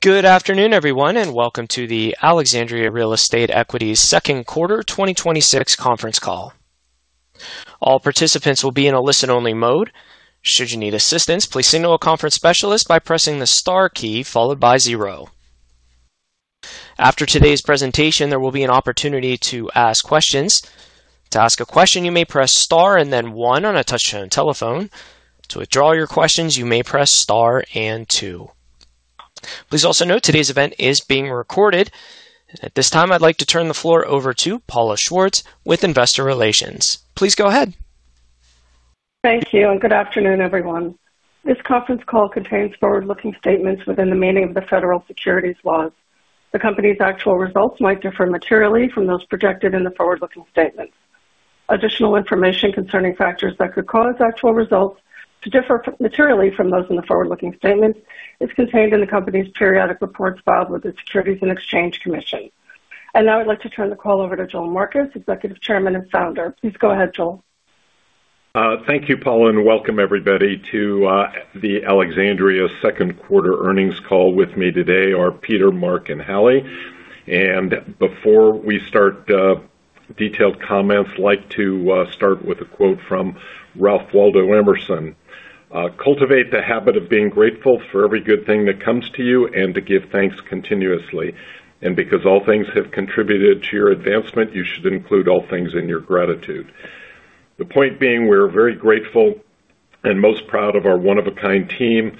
Good afternoon, everyone, and welcome to the Alexandria Real Estate Equities second quarter 2026 conference call. All participants will be in a listen-only mode. Should you need assistance, please signal a conference specialist by pressing the star key followed by zero. After today's presentation, there will be an opportunity to ask questions. To ask a question, you may press star and then one on a touch-tone telephone. To withdraw your questions, you may press star and two. Please also note today's event is being recorded. At this time, I'd like to turn the floor over to Paula Schwartz with Investor Relations. Please go ahead. Thank you. Good afternoon, everyone. This conference call contains forward-looking statements within the meaning of the federal securities laws. The company's actual results might differ materially from those projected in the forward-looking statements. Additional information concerning factors that could cause actual results to differ materially from those in the forward-looking statements is contained in the company's periodic reports filed with the Securities and Exchange Commission. Now I'd like to turn the call over to Joel Marcus, Executive Chairman, and Founder. Please go ahead, Joel. Thank you, Paula. Welcome everybody to the Alexandria second quarter earnings call. With me today are Peter, Marc, and Hallie. Before we start detailed comments, I'd like to start with a quote from Ralph Waldo Emerson. "Cultivate the habit of being grateful for every good thing that comes to you and to give thanks continuously. Because all things have contributed to your advancement, you should include all things in your gratitude." The point being, we're very grateful and most proud of our one of a kind team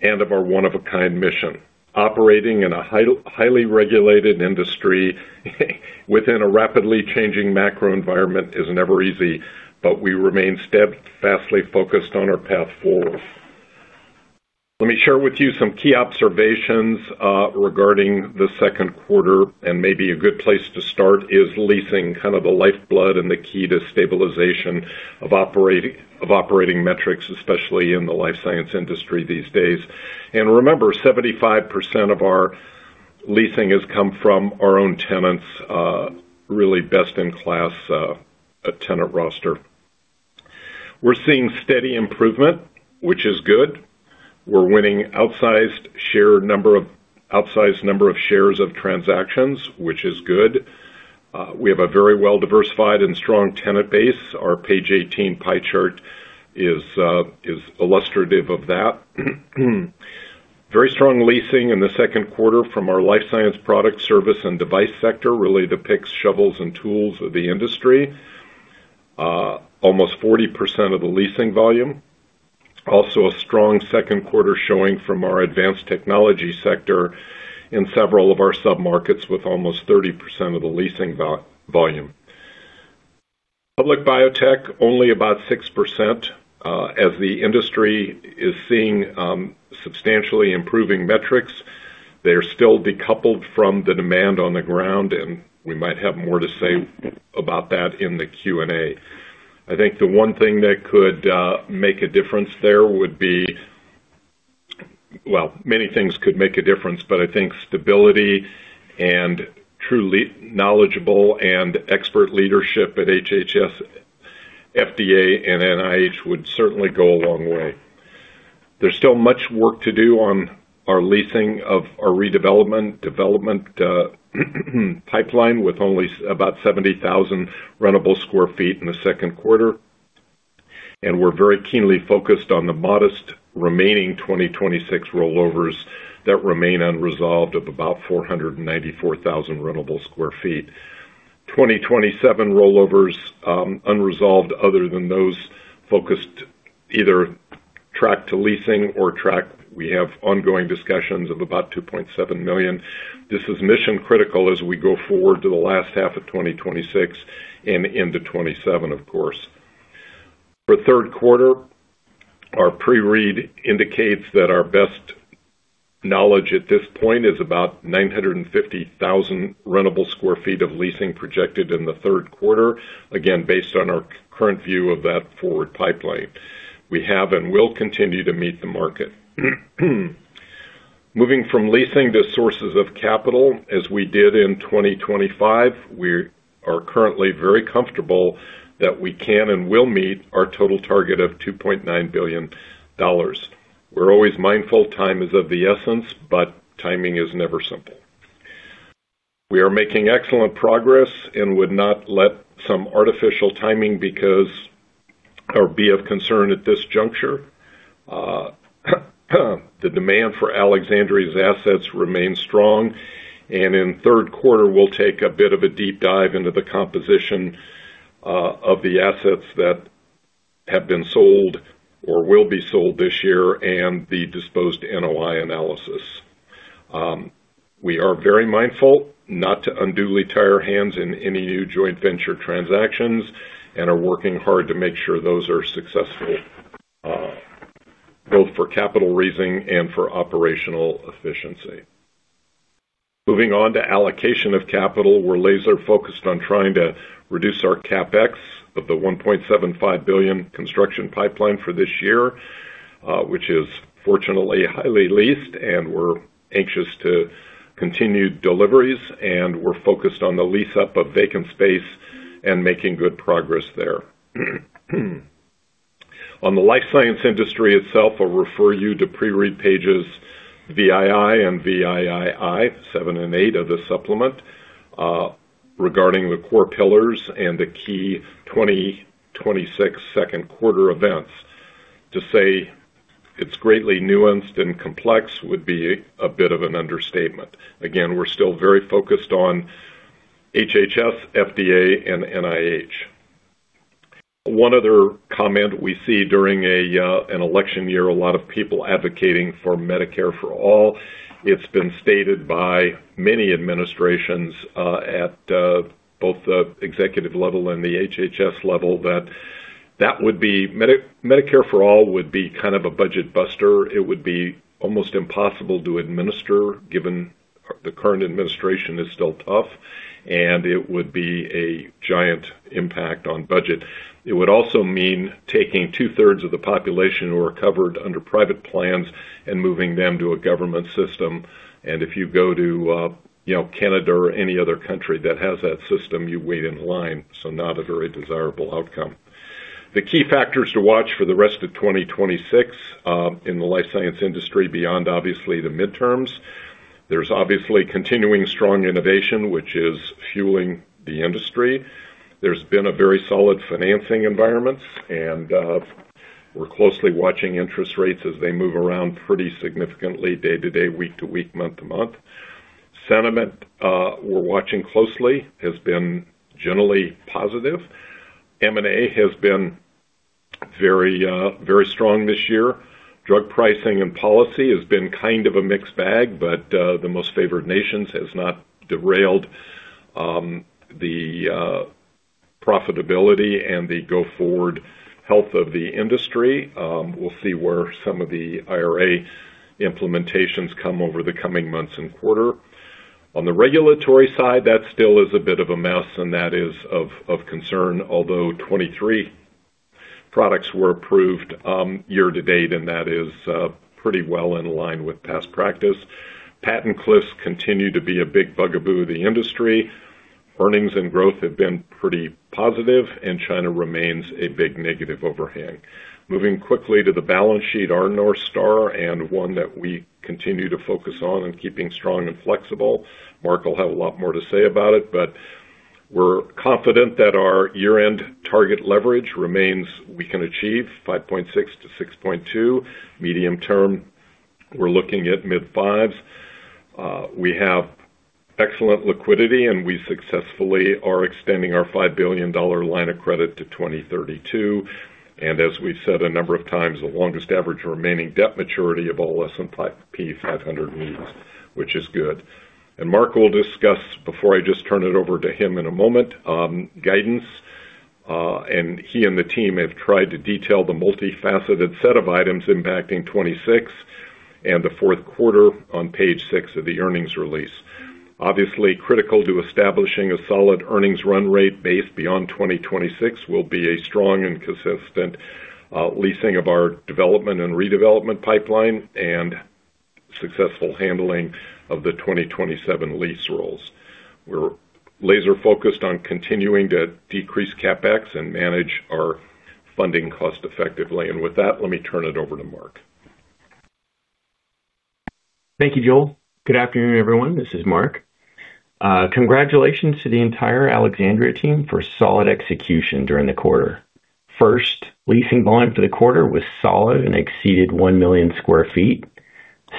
and of our one of a kind mission. Operating in a highly regulated industry within a rapidly changing macro environment is never easy, but we remain steadfastly focused on our path forward. Let me share with you some key observations regarding the second quarter. Maybe a good place to start is leasing kind of the lifeblood and the key to stabilization of operating metrics, especially in the life science industry these days. Remember, 75% of our leasing has come from our own tenants, really best in class tenant roster. We're seeing steady improvement, which is good. We're winning outsized number of shares of transactions, which is good. We have a very well diversified and strong tenant base. Our page 18 pie chart is illustrative of that. Very strong leasing in the second quarter from our life science product service and device sector really depicts shovels and tools of the industry. Almost 40% of the leasing volume. Also a strong second quarter showing from our advanced technology sector in several of our sub-markets with almost 30% of the leasing volume. Public biotech, only about 6%. As the industry is seeing substantially improving metrics, they are still decoupled from the demand on the ground, and we might have more to say about that in the Q&A. I think the one thing that could make a difference there would be, well, many things could make a difference, but I think stability and truly knowledgeable and expert leadership at HHS, FDA, and NIH would certainly go a long way. There's still much work to do on our leasing of our redevelopment, development pipeline, with only about 70,000 rentable square feet in the second quarter. We're very keenly focused on the modest remaining 2026 rollovers that remain unresolved of about 494,000 rentable square feet. 2027 rollovers unresolved other than those focused either track to leasing or track we have ongoing discussions of about 2.7 million rentable square feet. This is mission critical as we go forward to the last half of 2026 and into 2027, of course. For third quarter, our pre-read indicates that our best knowledge at this point is about 950,000 rentable square feet of leasing projected in the third quarter, again based on our current view of that forward pipeline. We have and will continue to meet the market. Moving from leasing to sources of capital, as we did in 2025, we are currently very comfortable that we can and will meet our total target of $2.9 billion. We're always mindful time is of the essence, but timing is never simple. We are making excellent progress and would not let some artificial timing because or be of concern at this juncture. The demand for Alexandria's assets remains strong. In third quarter, we'll take a bit of a deep dive into the composition of the assets that have been sold or will be sold this year and the disposed NOI analysis. We are very mindful not to unduly tie our hands in any new joint venture transactions and are working hard to make sure those are successful, both for capital raising and for operational efficiency. Moving on to allocation of capital. We're laser focused on trying to reduce our CapEx of the $1.75 billion construction pipeline for this year, which is fortunately highly leased, and we're anxious to continue deliveries, and we're focused on the lease-up of vacant space and making good progress there. On the life science industry itself, I'll refer you to pre-read pages VII and VIII, seven and eight of the supplement, regarding the core pillars and the key 2026 second quarter events. To say it's greatly nuanced and complex would be a bit of an understatement. Again, we're still very focused on HHS, FDA, and NIH. One other comment, we see during an election year, a lot of people advocating for Medicare for All. It's been stated by many administrations at both the executive level and the HHS level that Medicare for All would be kind of a budget buster. It would be almost impossible to administer, given the current administration is still tough, and it would be a giant impact on budget. It would also mean taking two-thirds of the population who are covered under private plans and moving them to a government system. If you go to Canada or any other country that has that system, you wait in line, so not a very desirable outcome. The key factors to watch for the rest of 2026 in the life science industry beyond, obviously, the midterms, there's obviously continuing strong innovation, which is fueling the industry. There's been a very solid financing environment, and we're closely watching interest rates as they move around pretty significantly day to day, week to week, month to month. Sentiment, we're watching closely, has been generally positive. M&A has been very strong this year. Drug pricing and policy has been kind of a mixed bag, but the Most Favored Nation has not derailed the profitability and the go-forward health of the industry. We'll see where some of the IRA implementations come over the coming months and quarter. On the regulatory side, that still is a bit of a mess, and that is of concern, although 23 products were approved year to date, and that is pretty well in line with past practice. Patent cliffs continue to be a big bugaboo in the industry. Earnings and growth have been pretty positive, China remains a big negative overhang. Moving quickly to the balance sheet, our North Star, and one that we continue to focus on in keeping strong and flexible. Marc will have a lot more to say about it, but we're confident that our year-end target leverage remains we can achieve 5.6%-6.2% medium-term. We're looking at mid-5s. We have excellent liquidity, and we successfully are extending our $5 billion line of credit to 2032. As we've said a number of times, the longest average remaining debt maturity of all S&P 500 REITs, which is good. Marc will discuss, before I just turn it over to him in a moment, guidance. He and the team have tried to detail the multifaceted set of items impacting 2026 and the fourth quarter on page six of the earnings release. Obviously, critical to establishing a solid earnings run rate base beyond 2026 will be a strong and consistent leasing of our development and redevelopment pipeline and successful handling of the 2027 lease rolls. We're laser focused on continuing to decrease CapEx and manage our funding cost effectively. With that, let me turn it over to Marc. Thank you, Joel. Good afternoon, everyone. This is Marc. Congratulations to the entire Alexandria team for solid execution during the quarter. First, leasing volume for the quarter was solid and exceeded 1 million sq ft.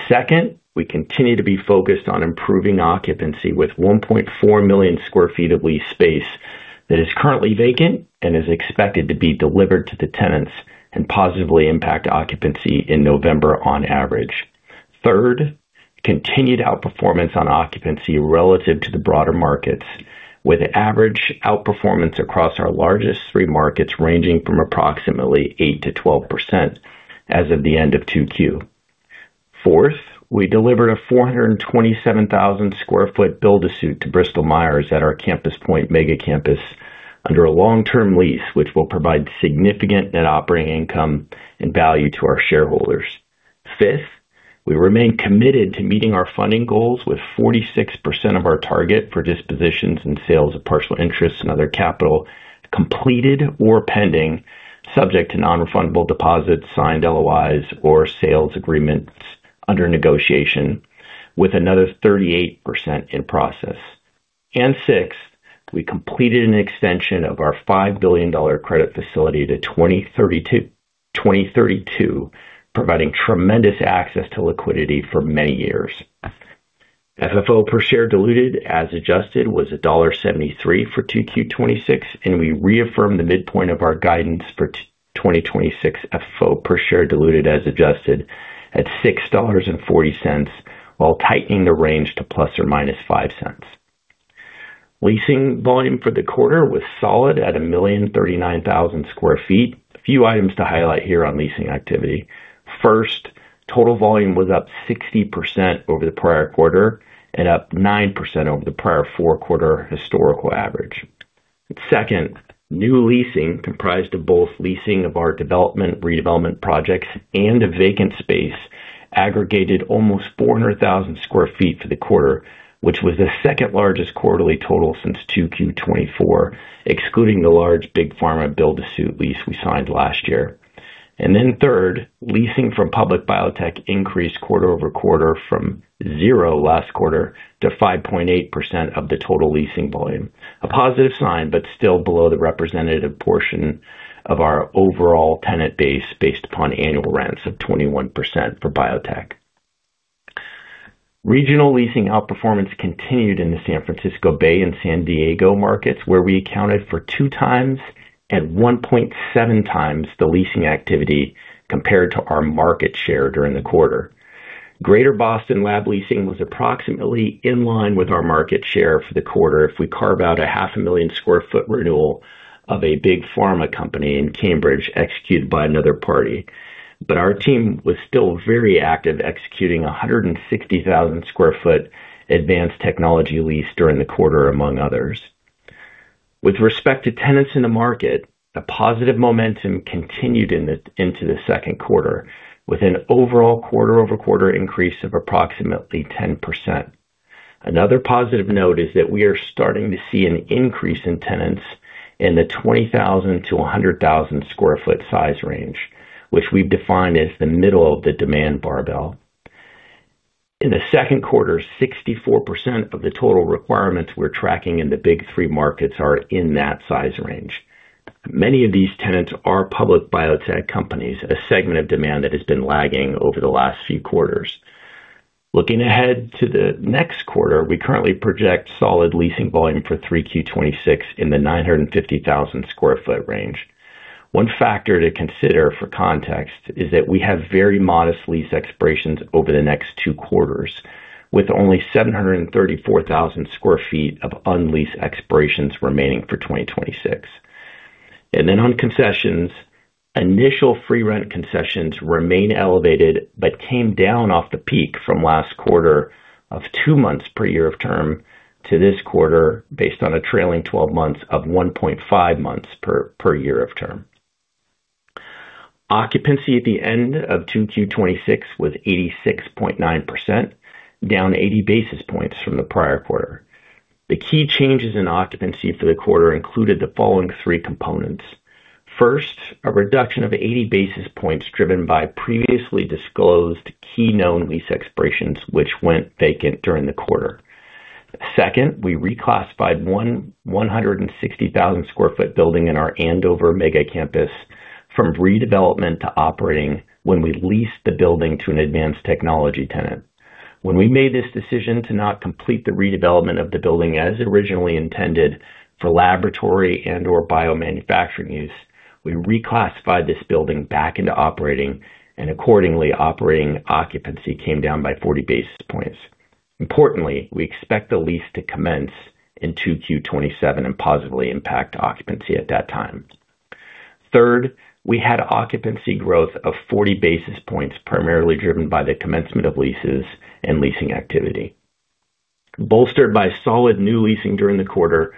Second, we continue to be focused on improving occupancy with 1.4 million sq ft of leased space that is currently vacant and is expected to be delivered to the tenants and positively impact occupancy in November on average. Third, continued outperformance on occupancy relative to the broader markets, with average outperformance across our largest three markets ranging from approximately 8%-12% as of the end of 2Q. Fourth, we delivered a 427,000 sq ft build-to-suit to Bristol Myers at our Campus Point Megacampus under a long-term lease, which will provide significant net operating income and value to our shareholders. Fifth, we remain committed to meeting our funding goals with 46% of our target for dispositions and sales of partial interests and other capital completed or pending, subject to non-refundable deposits, signed LOIs, or sales agreements under negotiation with another 38% in process. Sixth, we completed an extension of our $5 billion credit facility to 2032, providing tremendous access to liquidity for many years. FFO per share diluted as adjusted was $1.73 for 2Q26, and we reaffirm the midpoint of our guidance for 2026 FFO per share diluted as adjusted at $6.40, while tightening the range to ±$0.05. Leasing volume for the quarter was solid at 1,039,000 sq ft. A few items to highlight here on leasing activity. First, total volume was up 60% over the prior quarter and up 9% over the prior four quarter historical average. Second, new leasing comprised of both leasing of our development, redevelopment projects, and a vacant space aggregated almost 400,000 sq ft for the quarter, which was the second largest quarterly total since 2Q24, excluding the large big pharma build to suit lease we signed last year. Third, leasing from public biotech increased quarter-over-quarter from zero last quarter to 5.8% of the total leasing volume. A positive sign, but still below the representative portion of our overall tenant base based upon annual rents of 21% for biotech. Regional leasing outperformance continued in the San Francisco Bay and San Diego markets, where we accounted for two times and 1.7 times the leasing activity compared to our market share during the quarter. Greater Boston lab leasing was approximately in line with our market share for the quarter if we carve out a half a million sq ft renewal of a big pharma company in Cambridge executed by another party. Our team was still very active, executing 160,000 sq ft advanced technology lease during the quarter, among others. With respect to tenants in the market, a positive momentum continued into the second quarter, with an overall quarter-over-quarter increase of approximately 10%. Another positive note is that we are starting to see an increase in tenants in the 20,000-100,000 sq ft size range, which we've defined as the middle of the demand barbell. In the second quarter, 64% of the total requirements we're tracking in the big three markets are in that size range. Many of these tenants are public biotech companies, a segment of demand that has been lagging over the last few quarters. Looking ahead to the next quarter, we currently project solid leasing volume for 3Q26 in the 950,000 sq ft range. One factor to consider for context is that we have very modest lease expirations over the next two quarters, with only 734,000 sq ft of unlease expirations remaining for 2026. On concessions, initial free rent concessions remain elevated, but came down off the peak from last quarter of two months per year of term to this quarter, based on a trailing 12 months of 1.5 months per year of term. Occupancy at the end of 2Q26 was 86.9%, down 80 basis points from the prior quarter. The key changes in occupancy for the quarter included the following three components. First, a reduction of 80 basis points driven by previously disclosed key known lease expirations, which went vacant during the quarter. Second, we reclassified one 160,000 square foot building in our Andover Megacampus from redevelopment to operating when we leased the building to an advanced technology tenant. When we made this decision to not complete the redevelopment of the building as originally intended for laboratory and/or biomanufacturing use, we reclassified this building back into operating, and accordingly, operating occupancy came down by 40 basis points. Importantly, we expect the lease to commence in 2Q27 and positively impact occupancy at that time. Third, we had occupancy growth of 40 basis points, primarily driven by the commencement of leases and leasing activity. Bolstered by solid new leasing during the quarter,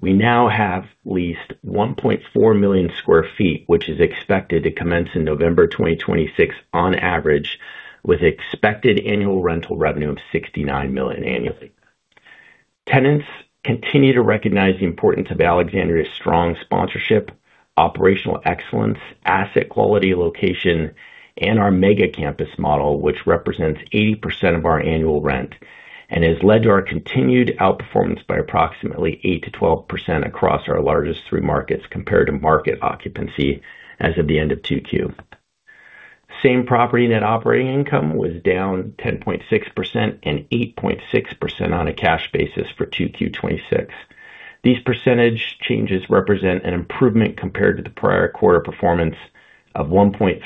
we now have leased 1.4 million square feet, which is expected to commence in November 2026 on average, with expected annual rental revenue of $69 million annually. Tenants continue to recognize the importance of Alexandria's strong sponsorship, operational excellence, asset quality location, and our Megacampus model, which represents 80% of our annual rent and has led to our continued outperformance by approximately 8%-12% across our largest three markets compared to market occupancy as of the end of 2Q. Same property net operating income was down 10.6% and 8.6% on a cash basis for 2Q26. These percentage changes represent an improvement compared to the prior quarter performance of 1.3%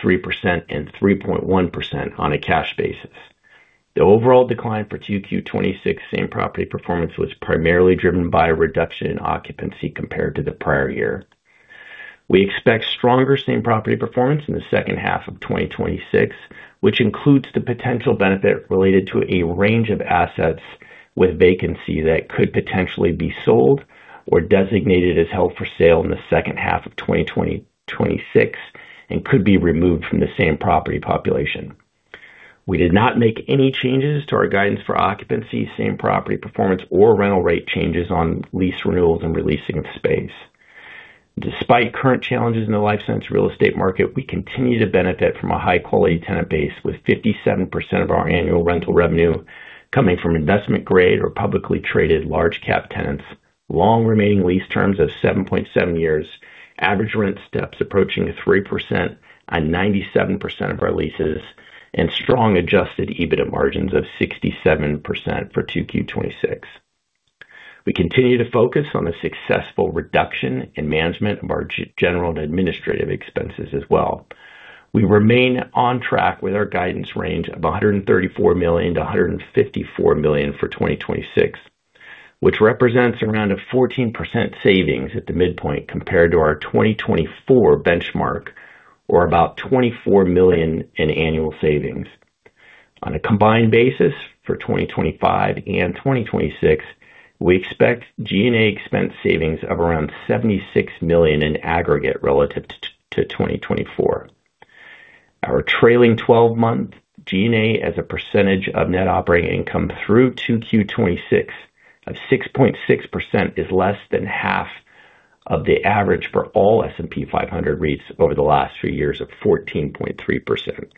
and 3.1% on a cash basis. The overall decline for 2Q26 same property performance was primarily driven by a reduction in occupancy compared to the prior year. We expect stronger same property performance in the second half of 2026, which includes the potential benefit related to a range of assets with vacancy that could potentially be sold or designated as held for sale in the second half of 2026 and could be removed from the same property population. We did not make any changes to our guidance for occupancy, same property performance, or rental rate changes on lease renewals and re-leasing of space. Despite current challenges in the life science real estate market, we continue to benefit from a high quality tenant base with 57% of our annual rental revenue coming from investment grade or publicly traded large cap tenants, long remaining lease terms of 7.7 years, average rent steps approaching 3% on 97% of our leases, and strong adjusted EBITDA margins of 67% for 2Q26. We continue to focus on the successful reduction in management of our general and administrative expenses as well. We remain on track with our guidance range of $134 million-$154 million for 2026, which represents around a 14% savings at the midpoint compared to our 2024 benchmark, or about $24 million in annual savings. On a combined basis for 2025 and 2026, we expect G&A expense savings of around $76 million in aggregate relative to 2024. Our trailing 12-month G&A as a percentage of net operating income through 2Q26 of 6.6% is less than half of the average for all S&P 500 REITs over the last few years of 14.3%.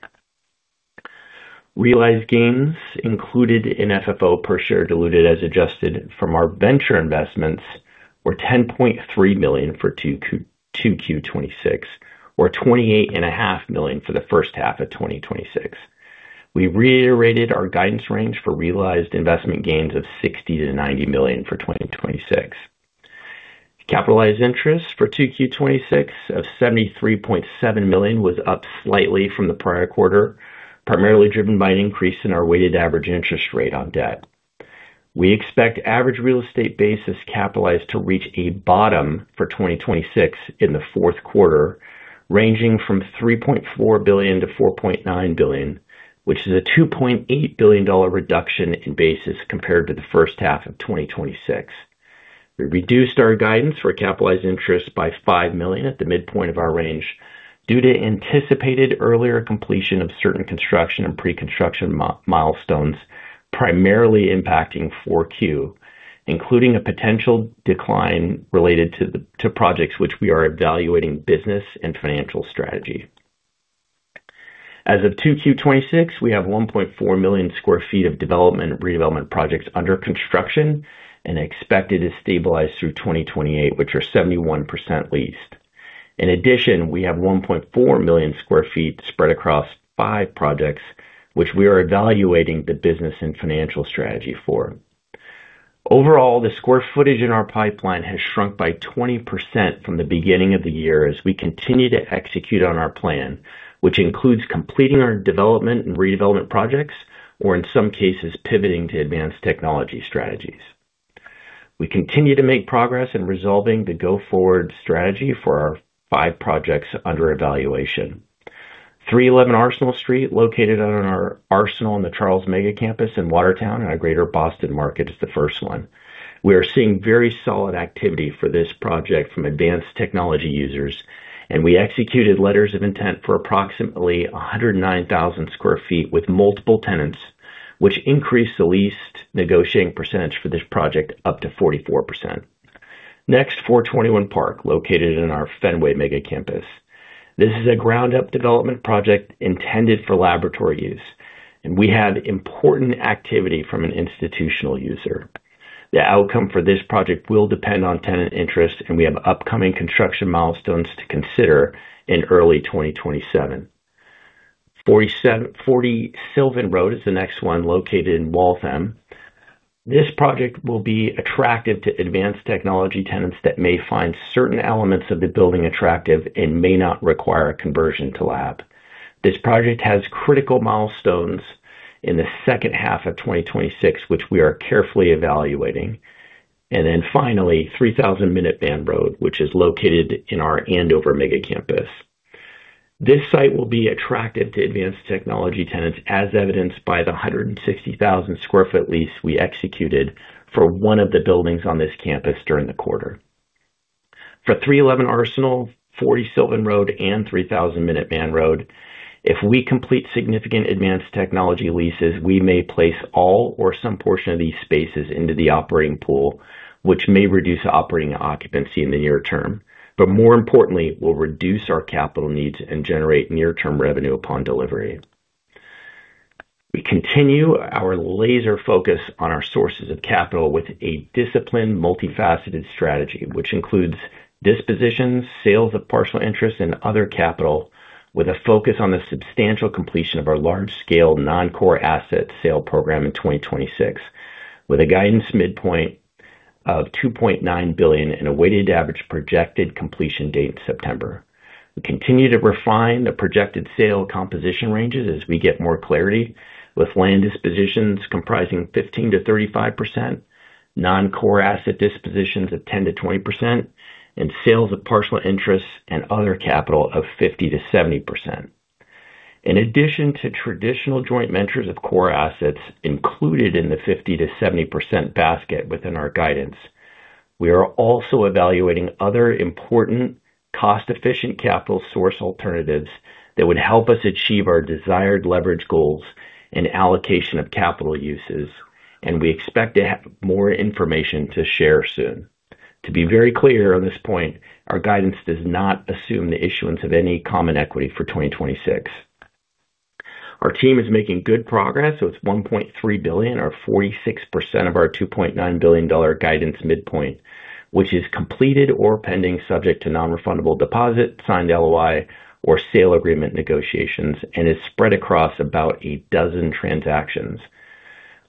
Realized gains included in FFO per share diluted as adjusted from our venture investments were $10.3 million for 2Q26, or $28.5 million for the first half of 2026. We reiterated our guidance range for realized investment gains of $60 million-$90 million for 2026. Capitalized interest for 2Q 2026 of $73.7 million was up slightly from the prior quarter, primarily driven by an increase in our weighted average interest rate on debt. We expect average real estate basis capitalized to reach a bottom for 2026 in the fourth quarter, ranging from $3.4 billion-$4.9 billion, which is a $2.8 billion reduction in basis compared to the first half of 2026. We reduced our guidance for capitalized interest by $5 million at the midpoint of our range due to anticipated earlier completion of certain construction and pre-construction milestones, primarily impacting 4Q, including a potential decline related to projects which we are evaluating business and financial strategy. As of 2Q 2026, we have 1.4 million sq ft of development and redevelopment projects under construction and expected to stabilize through 2028, which are 71% leased. In addition, we have 1.4 million sq ft spread across five projects, which we are evaluating the business and financial strategy for. Overall, the square footage in our pipeline has shrunk by 20% from the beginning of the year as we continue to execute on our plan, which includes completing our development and redevelopment projects, or in some cases, pivoting to advanced technology strategies. We continue to make progress in resolving the go-forward strategy for our five projects under evaluation. 311 Arsenal Street, located on our Arsenal on the Charles Megacampus in Watertown in our greater Boston market is the first one. We are seeing very solid activity for this project from advanced technology users, and we executed letters of intent for approximately 109,000 sq ft with multiple tenants, which increased the leased negotiating percentage for this project up to 44%. 421 Park, located in our Fenway Megacampus. This is a ground-up development project intended for laboratory use. We have important activity from an institutional user. The outcome for this project will depend on tenant interest. We have upcoming construction milestones to consider in early 2027. 40 Sylvan Road is the next one, located in Waltham. This project will be attractive to advanced technology tenants that may find certain elements of the building attractive and may not require a conversion to lab. This project has critical milestones in the second half of 2026, which we are carefully evaluating. Finally, 3000 Minuteman Road, which is located in our Andover Megacampus. This site will be attractive to advanced technology tenants, as evidenced by the 160,000 sq ft lease we executed for one of the buildings on this campus during the quarter. For 311 Arsenal, 40 Sylvan Road, and 3000 Minuteman Road, if we complete significant advanced technology leases, we may place all or some portion of these spaces into the operating pool, which may reduce operating occupancy in the near term, more importantly, will reduce our capital needs and generate near-term revenue upon delivery. We continue our laser focus on our sources of capital with a disciplined, multifaceted strategy, which includes dispositions, sales of partial interest, and other capital, with a focus on the substantial completion of our large-scale non-core asset sale program in 2026, with a guidance midpoint of $2.9 billion and a weighted average projected completion date in September. We continue to refine the projected sale composition ranges as we get more clarity, with land dispositions comprising 15%-35%, non-core asset dispositions of 10%-20%, and sales of partial interests and other capital of 50%-70%. In addition to traditional joint ventures of core assets included in the 50%-70% basket within our guidance, we are also evaluating other important cost-efficient capital source alternatives that would help us achieve our desired leverage goals and allocation of capital uses. We expect to have more information to share soon. To be very clear on this point, our guidance does not assume the issuance of any common equity for 2026. Our team is making good progress with $1.3 billion or 46% of our $2.9 billion guidance midpoint, which is completed or pending subject to non-refundable deposit, signed LOI, or sale agreement negotiations and is spread across about a dozen transactions.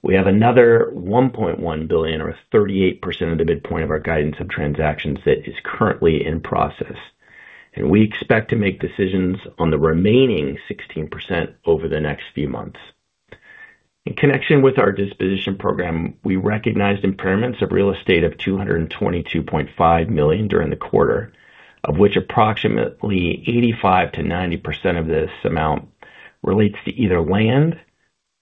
We have another $1.1 billion or 38% of the midpoint of our guidance of transactions that is currently in process. We expect to make decisions on the remaining 16% over the next few months. In connection with our disposition program, we recognized impairments of real estate of $222.5 million during the quarter, of which approximately 85%-90% of this amount relates to either land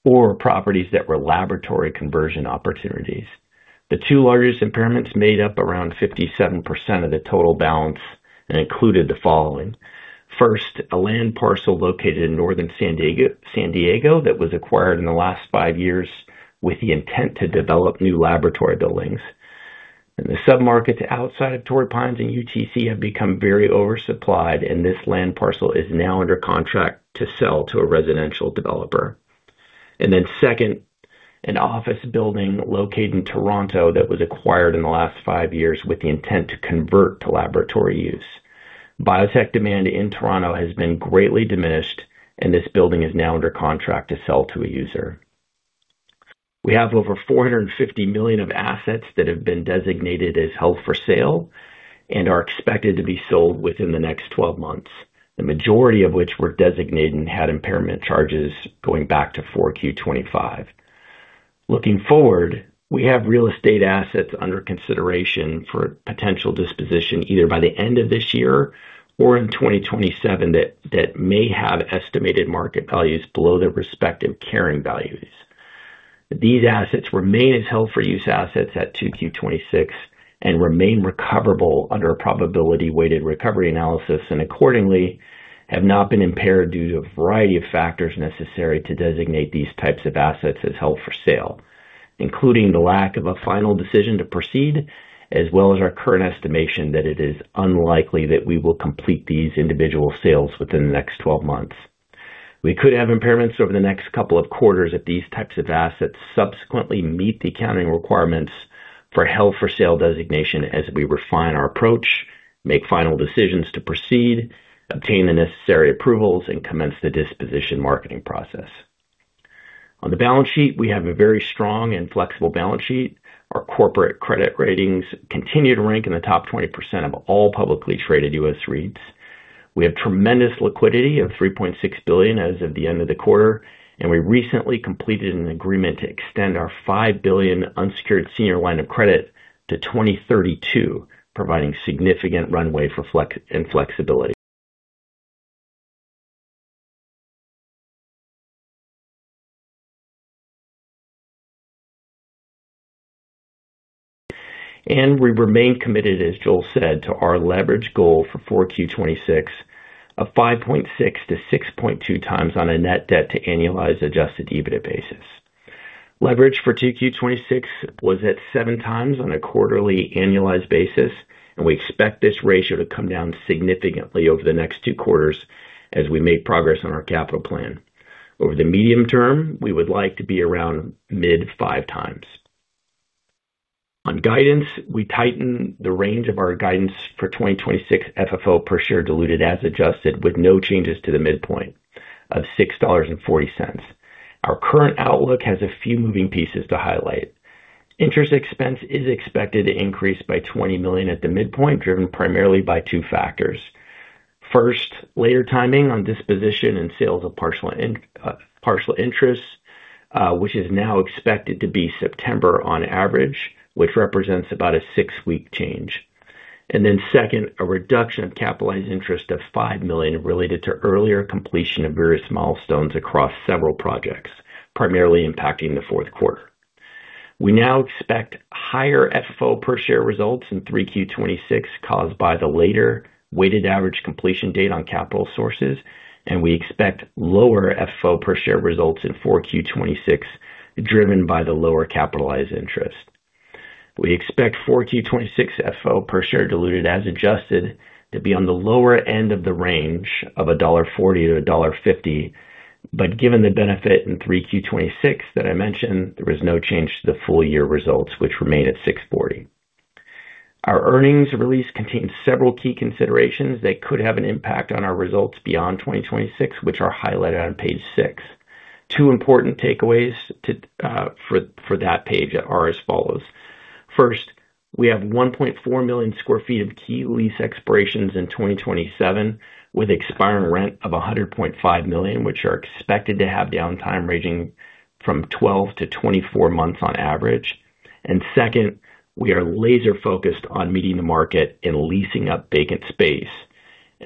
or properties that were laboratory conversion opportunities. The two largest impairments made up around 57% of the total balance and included the following. First, a land parcel located in Northern San Diego that was acquired in the last five years with the intent to develop new laboratory buildings. The submarkets outside of Torrey Pines and UTC have become very oversupplied. This land parcel is now under contract to sell to a residential developer. Second, an office building located in Toronto that was acquired in the last five years with the intent to convert to laboratory use. Biotech demand in Toronto has been greatly diminished. This building is now under contract to sell to a user. We have over $450 million of assets that have been designated as held for sale and are expected to be sold within the next 12 months, the majority of which were designated and had impairment charges going back to 4Q 2025. Looking forward, we have real estate assets under consideration for potential disposition either by the end of this year or in 2027 that may have estimated market values below their respective carrying values. These assets remain as held for use assets at 2Q 2026 and remain recoverable under a probability weighted recovery analysis. Accordingly, have not been impaired due to a variety of factors necessary to designate these types of assets as held for sale, including the lack of a final decision to proceed, as well as our current estimation that it is unlikely that we will complete these individual sales within the next 12 months. We could have impairments over the next couple of quarters if these types of assets subsequently meet the accounting requirements for held for sale designation as we refine our approach, make final decisions to proceed, obtain the necessary approvals, and commence the disposition marketing process. On the balance sheet, we have a very strong and flexible balance sheet. Our corporate credit ratings continue to rank in the top 20% of all publicly traded U.S. REITs. We have tremendous liquidity of $3.6 billion as of the end of the quarter. We recently completed an agreement to extend our $5 billion unsecured senior line of credit to 2032, providing significant runway and flexibility. We remain committed, as Joel said, to our leverage goal for 4Q 2026 of 5.6-6.2x on a net debt to annualized adjusted EBITDA basis. Leverage for 2Q 2026 was at 7x on a quarterly annualized basis. We expect this ratio to come down significantly over the next two quarters as we make progress on our capital plan. Over the medium term, we would like to be around mid-5x. On guidance, we tighten the range of our guidance for 2026 FFO per share diluted as adjusted with no changes to the midpoint of $6.40. Our current outlook has a few moving pieces to highlight. Interest expense is expected to increase by $20 million at the midpoint, driven primarily by two factors. First, later timing on disposition and sales of partial interests, which is now expected to be September on average, which represents about a six-week change. Second, a reduction of capitalized interest of $5 million related to earlier completion of various milestones across several projects, primarily impacting the fourth quarter. We now expect higher FFO per share results in 3Q 2026 caused by the later weighted average completion date on capital sources. We expect lower FFO per share results in 4Q 2026, driven by the lower capitalized interest. We expect 4Q 2026 FFO per share diluted as adjusted to be on the lower end of the range of $1.40-$1.50. Given the benefit in 3Q 2026 that I mentioned, there was no change to the full year results, which remain at $6.40. Our earnings release contains several key considerations that could have an impact on our results beyond 2026, which are highlighted on page six. Two important takeaways for that page are as follows. First, we have 1.4 million sq ft of key lease expirations in 2027, with expiring rent of $100.5 million, which are expected to have downtime ranging from 12-24 months on average. Second, we are laser focused on meeting the market and leasing up vacant space.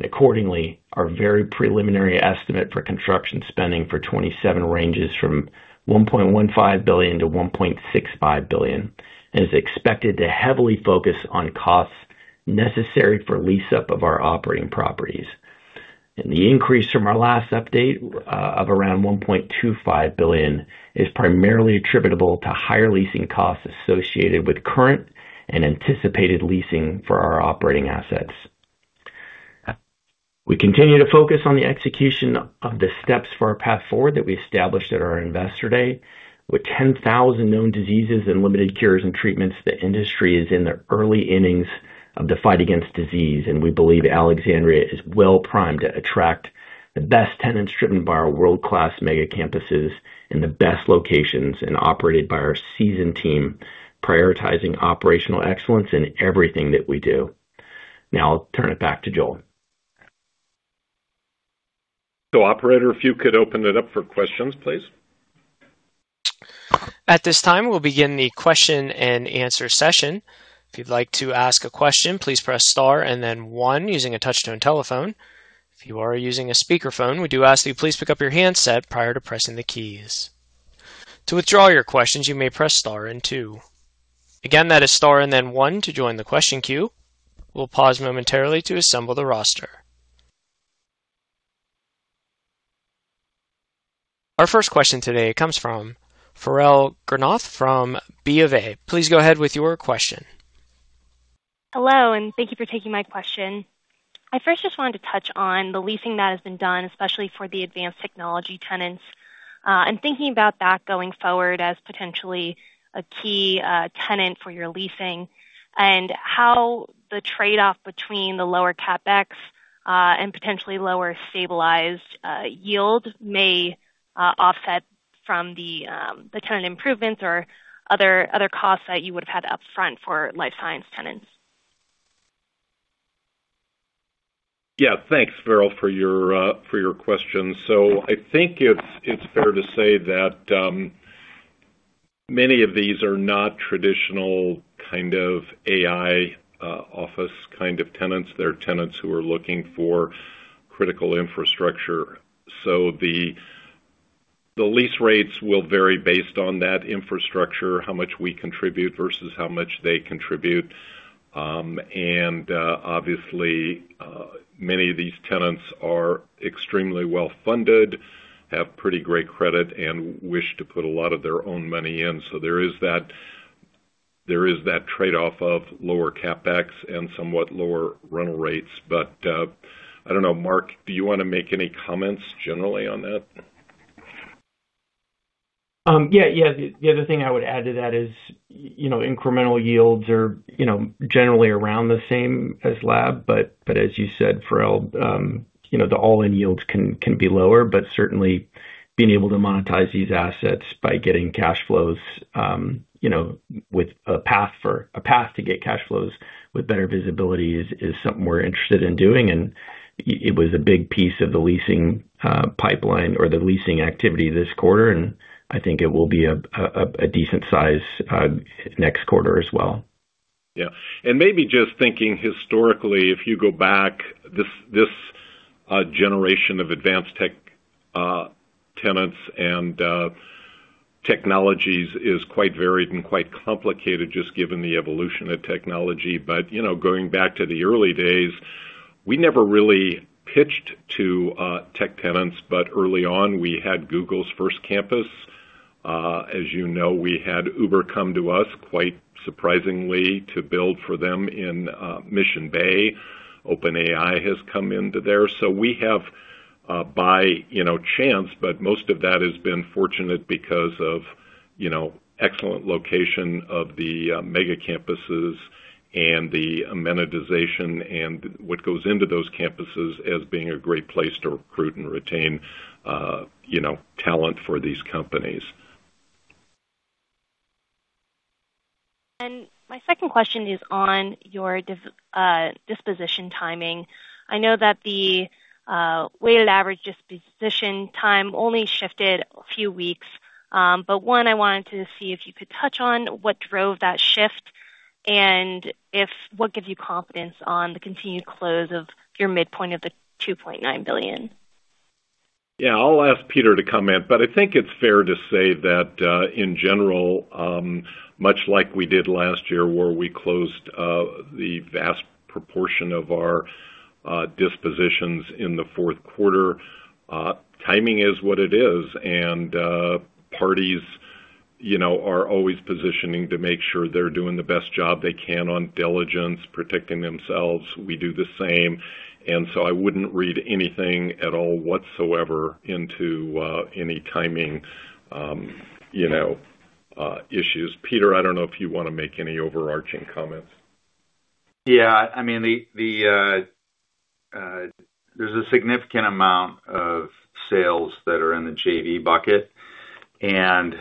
Accordingly, our very preliminary estimate for construction spending for 2027 ranges from $1.15 billion-$1.65 billion. It is expected to heavily focus on costs necessary for lease-up of our operating properties. The increase from our last update of around $1.25 billion is primarily attributable to higher leasing costs associated with current and anticipated leasing for our operating assets. We continue to focus on the execution of the steps for our path forward that we established at our Investor Day. With 10,000 known diseases and limited cures and treatments, the industry is in the early innings of the fight against disease, and we believe Alexandria is well primed to attract the best tenants driven by our world-class Megacampuses in the best locations and operated by our seasoned team, prioritizing operational excellence in everything that we do. I'll turn it back to Joel. Operator, if you could open it up for questions, please. At this time, we'll begin the question and answer session. If you'd like to ask a question, please press star and then one using a touch-tone telephone. If you are using a speakerphone, we do ask that you please pick up your handset prior to pressing the keys. To withdraw your questions, you may press star and two. Again, that is star and then one to join the question queue. We'll pause momentarily to assemble the roster. Our first question today comes from Farrell Granath of BofA. Please go ahead with your question. Hello, and thank you for taking my question. I first just wanted to touch on the leasing that has been done, especially for the advanced technology tenants. And thinking about that going forward as potentially a key tenant for your leasing. And how the trade-off between the lower CapEx, and potentially lower stabilized yield may offset from the tenant improvements or other costs that you would have had up front for life science tenants. Thanks, Farrell, for your question. I think it's fair to say that many of these are not traditional kind of AI office kind of tenants. They're tenants who are looking for critical infrastructure. The lease rates will vary based on that infrastructure, how much we contribute versus how much they contribute. Obviously, many of these tenants are extremely well-funded, have pretty great credit, and wish to put a lot of their own money in. There is that trade-off of lower CapEx and somewhat lower rental rates. I don't know, Marc, do you want to make any comments generally on that? The other thing I would add to that is incremental yields are generally around the same as lab, but as you said, Farrell, the all-in yields can be lower. Certainly, being able to monetize these assets by getting cash flows, with a path to get cash flows with better visibility is something we're interested in doing. It was a big piece of the leasing pipeline or the leasing activity this quarter, and I think it will be a decent size next quarter as well. Maybe just thinking historically, if you go back, this generation of advanced tech tenants and technologies is quite varied and quite complicated, just given the evolution of technology. Going back to the early days, we never really pitched to tech tenants. Early on, we had Google's first campus. As you know, we had Uber come to us, quite surprisingly, to build for them in Mission Bay. OpenAI has come into there. We have by chance, but most of that has been fortunate because of excellent location of the MegaCampuses and the amenitization and what goes into those campuses as being a great place to recruit and retain talent for these companies. My second question is on your disposition timing. I know that the weighted average disposition time only shifted a few weeks. One, I wanted to see if you could touch on what drove that shift and what gives you confidence on the continued close of your midpoint of the $2.9 billion. Yeah. I'll ask Peter to comment, but I think it's fair to say that, in general, much like we did last year where we closed the vast proportion of our dispositions in the fourth quarter, timing is what it is. Parties are always positioning to make sure they're doing the best job they can on diligence, protecting themselves. We do the same. I wouldn't read anything at all whatsoever into any timing issues. Peter, I don't know if you want to make any overarching comments. Yeah. There's a significant amount of sales that are in the JV bucket,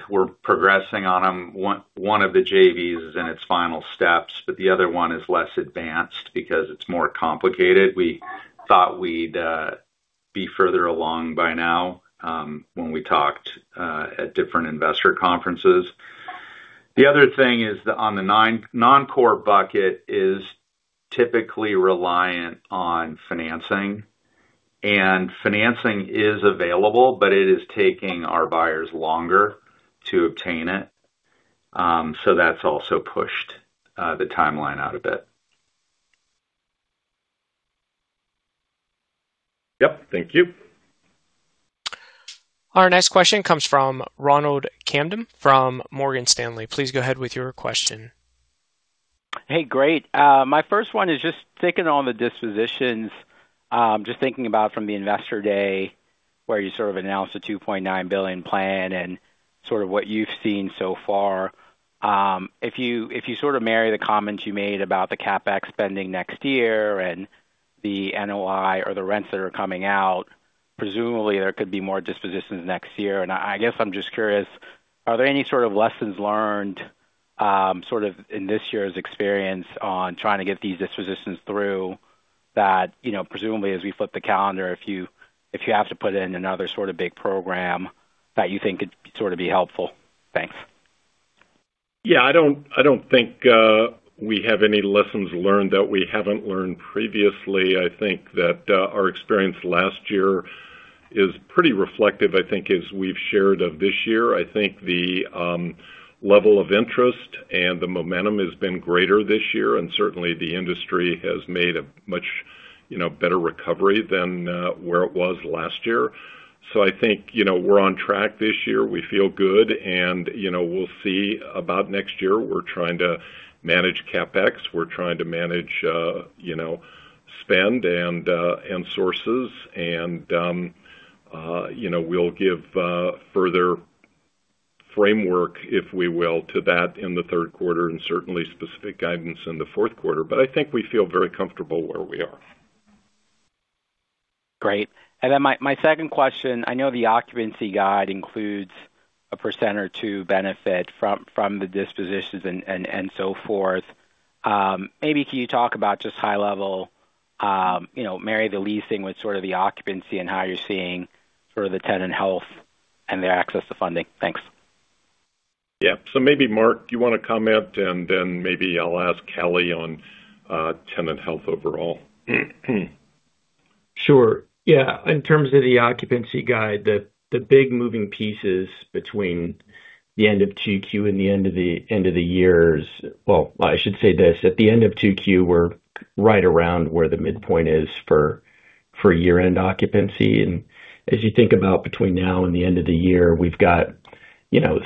we're progressing on them. One of the JVs is in its final steps, the other one is less advanced because it's more complicated. We thought we'd be further along by now when we talked at different investor conferences. The other thing is on the non-core bucket is typically reliant on financing. Financing is available, but it is taking our buyers longer to obtain it. That's also pushed the timeline out a bit. Yep. Thank you. Our next question comes from Ronald Kamdem from Morgan Stanley. Please go ahead with your question. My first one is just thinking on the dispositions, just thinking about from the investor day where you sort of announced the $2.9 billion plan and sort of what you've seen so far. If you sort of marry the comments you made about the CapEx spending next year and the NOI or the rents that are coming out, presumably there could be more dispositions next year. I guess I'm just curious, are there any sort of lessons learned Sort of in this year's experience on trying to get these dispositions through that, presumably, as we flip the calendar, if you have to put in another sort of big program that you think could sort of be helpful. Thanks. Yeah, I don't think we have any lessons learned that we haven't learned previously. I think that our experience last year is pretty reflective, I think, as we've shared of this year. I think the level of interest and the momentum has been greater this year, certainly the industry has made a much better recovery than where it was last year. I think we're on track this year. We feel good and we'll see about next year. We're trying to manage CapEx. We're trying to manage spend and sources, and we'll give further framework, if we will, to that in the third quarter and certainly specific guidance in the fourth quarter. I think we feel very comfortable where we are. Great. My second question. I know the occupancy guide includes a 1% or 2% benefit from the dispositions and so forth. Maybe can you talk about just high level, marry the leasing with sort of the occupancy and how you're seeing sort of the tenant health and the access to funding. Thanks. Yeah. Maybe Marc, do you want to comment and then maybe I'll ask Hallie on tenant health overall? Sure. Yeah. In terms of the occupancy guide, the big moving pieces between the end of 2Q and the end of the year. Well, I should say this. At the end of 2Q, we're right around where the midpoint is for year-end occupancy. As you think about between now and the end of the year, we've got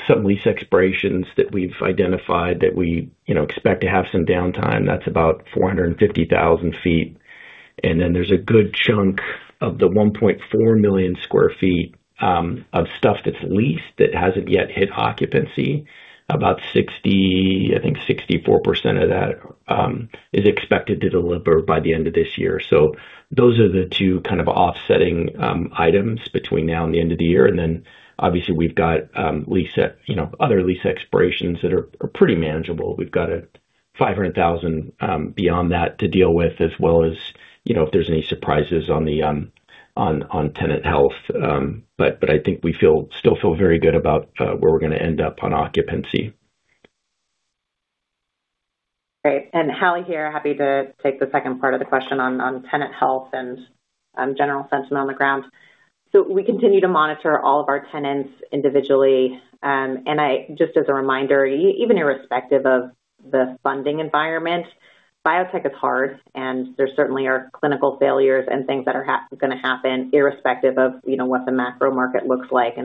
some lease expirations that we've identified that we expect to have some downtime. That's about 450,000 ft. Then there's a good chunk of the 1.4 million sq ft of stuff that's leased that hasn't yet hit occupancy. About 60%, I think 64% of that is expected to deliver by the end of this year. Those are the two kind of offsetting items between now and the end of the year. Then obviously we've got other lease expirations that are pretty manageable. We've got 500,000 RSF beyond that to deal with as well as if there's any surprises on tenant health. I think we still feel very good about where we're going to end up on occupancy. Great. Hallie here. Happy to take the second part of the question on tenant health and general sentiment on the ground. We continue to monitor all of our tenants individually. Just as a reminder, even irrespective of the funding environment, biotech is hard, and there certainly are clinical failures and things that are going to happen irrespective of what the macro market looks like.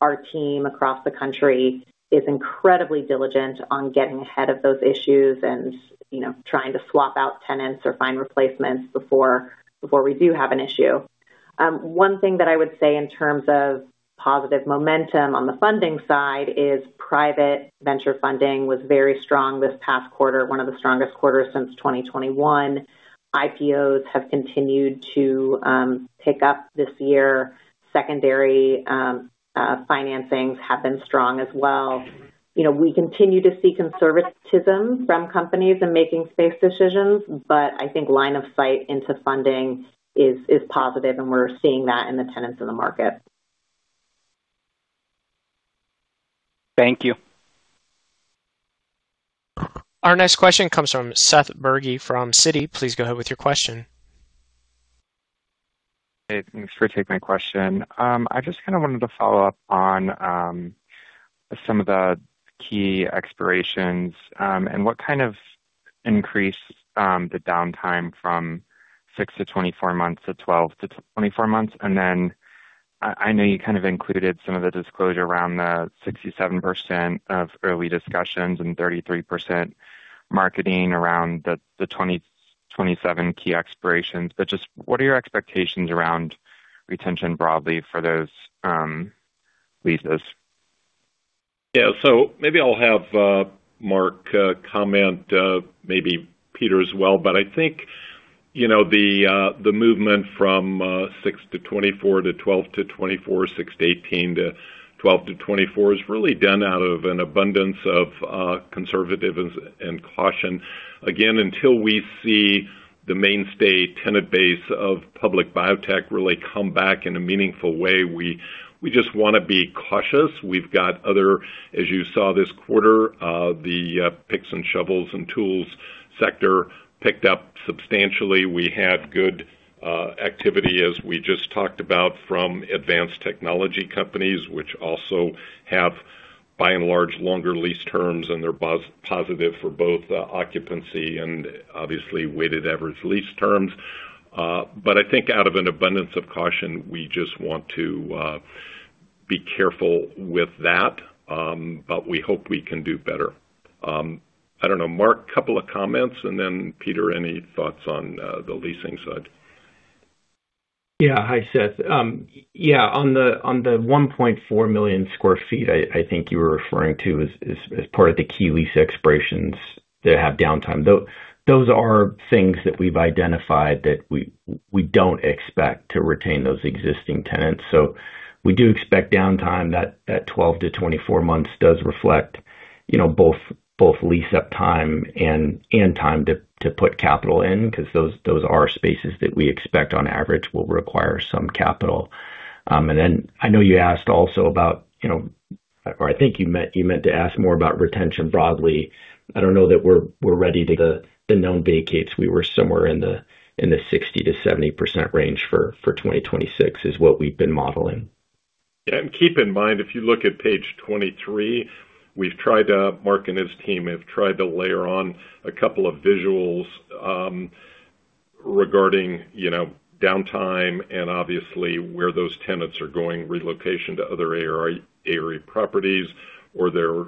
Our team across the country is incredibly diligent on getting ahead of those issues and trying to swap out tenants or find replacements before we do have an issue. One thing that I would say in terms of positive momentum on the funding side is private venture funding was very strong this past quarter, one of the strongest quarters since 2021. IPOs have continued to pick up this year. Secondary financings have been strong as well. We continue to see conservatism from companies in making space decisions, but I think line of sight into funding is positive, and we're seeing that in the tenants in the market. Thank you. Our next question comes from Seth Bergey from Citi. Please go ahead with your question. Hey, thanks for taking my question. I just kind of wanted to follow up on some of the key expirations and what kind of increased the downtime from 6-24 months to 12-24 months. I know you kind of included some of the disclosure around the 67% of early discussions and 33% marketing around the 2027 key expirations. What are your expectations around retention broadly for those leases? Yeah. Maybe I'll have Marc comment, maybe Peter as well. I think the movement from 6-24 to 12-24, 6-18 to 12-24 is really done out of an abundance of conservatism and caution. Again, until we see the mainstay tenant base of public biotech really come back in a meaningful way, we just want to be cautious. We've got other, as you saw this quarter, the picks and shovels and tools sector picked up substantially. We had good activity, as we just talked about, from advanced technology companies, which also have by and large longer lease terms and they're positive for both occupancy and obviously weighted average lease terms. I think out of an abundance of caution, we just want to be careful with that. We hope we can do better. I don't know, Marc, couple of comments, and then Peter, any thoughts on the leasing side? Yeah. Hi, Seth. Yeah, on the 1.4 million sq ft I think you were referring to as part of the key lease expirations that have downtime. Those are things that we've identified that we don't expect to retain those existing tenants. We do expect downtime. That 12-24 months does reflect both lease-up time and time to put capital in, because those are spaces that we expect on average will require some capital. I know you asked also about, or I think you meant to ask more about retention broadly. I don't know that we're ready to the known vacates. We were somewhere in the 60%-70% range for 2026 is what we've been modeling. Yeah, keep in mind, if you look at page 23, Marc and his team have tried to layer on a couple of visuals regarding downtime and obviously where those tenants are going, relocation to other ARE properties, or they're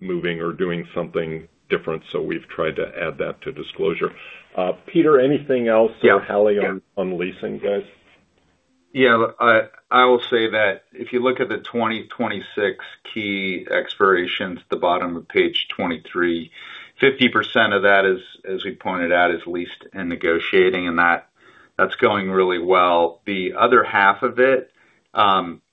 moving or doing something different. We've tried to add that to disclosure. Peter, anything else? Yeah Hallie on leasing, guys? Yeah. I will say that if you look at the 2026 key expirations at the bottom of page 23, 50% of that, as we pointed out, is leased and negotiating, and that's going really well. The other half of it,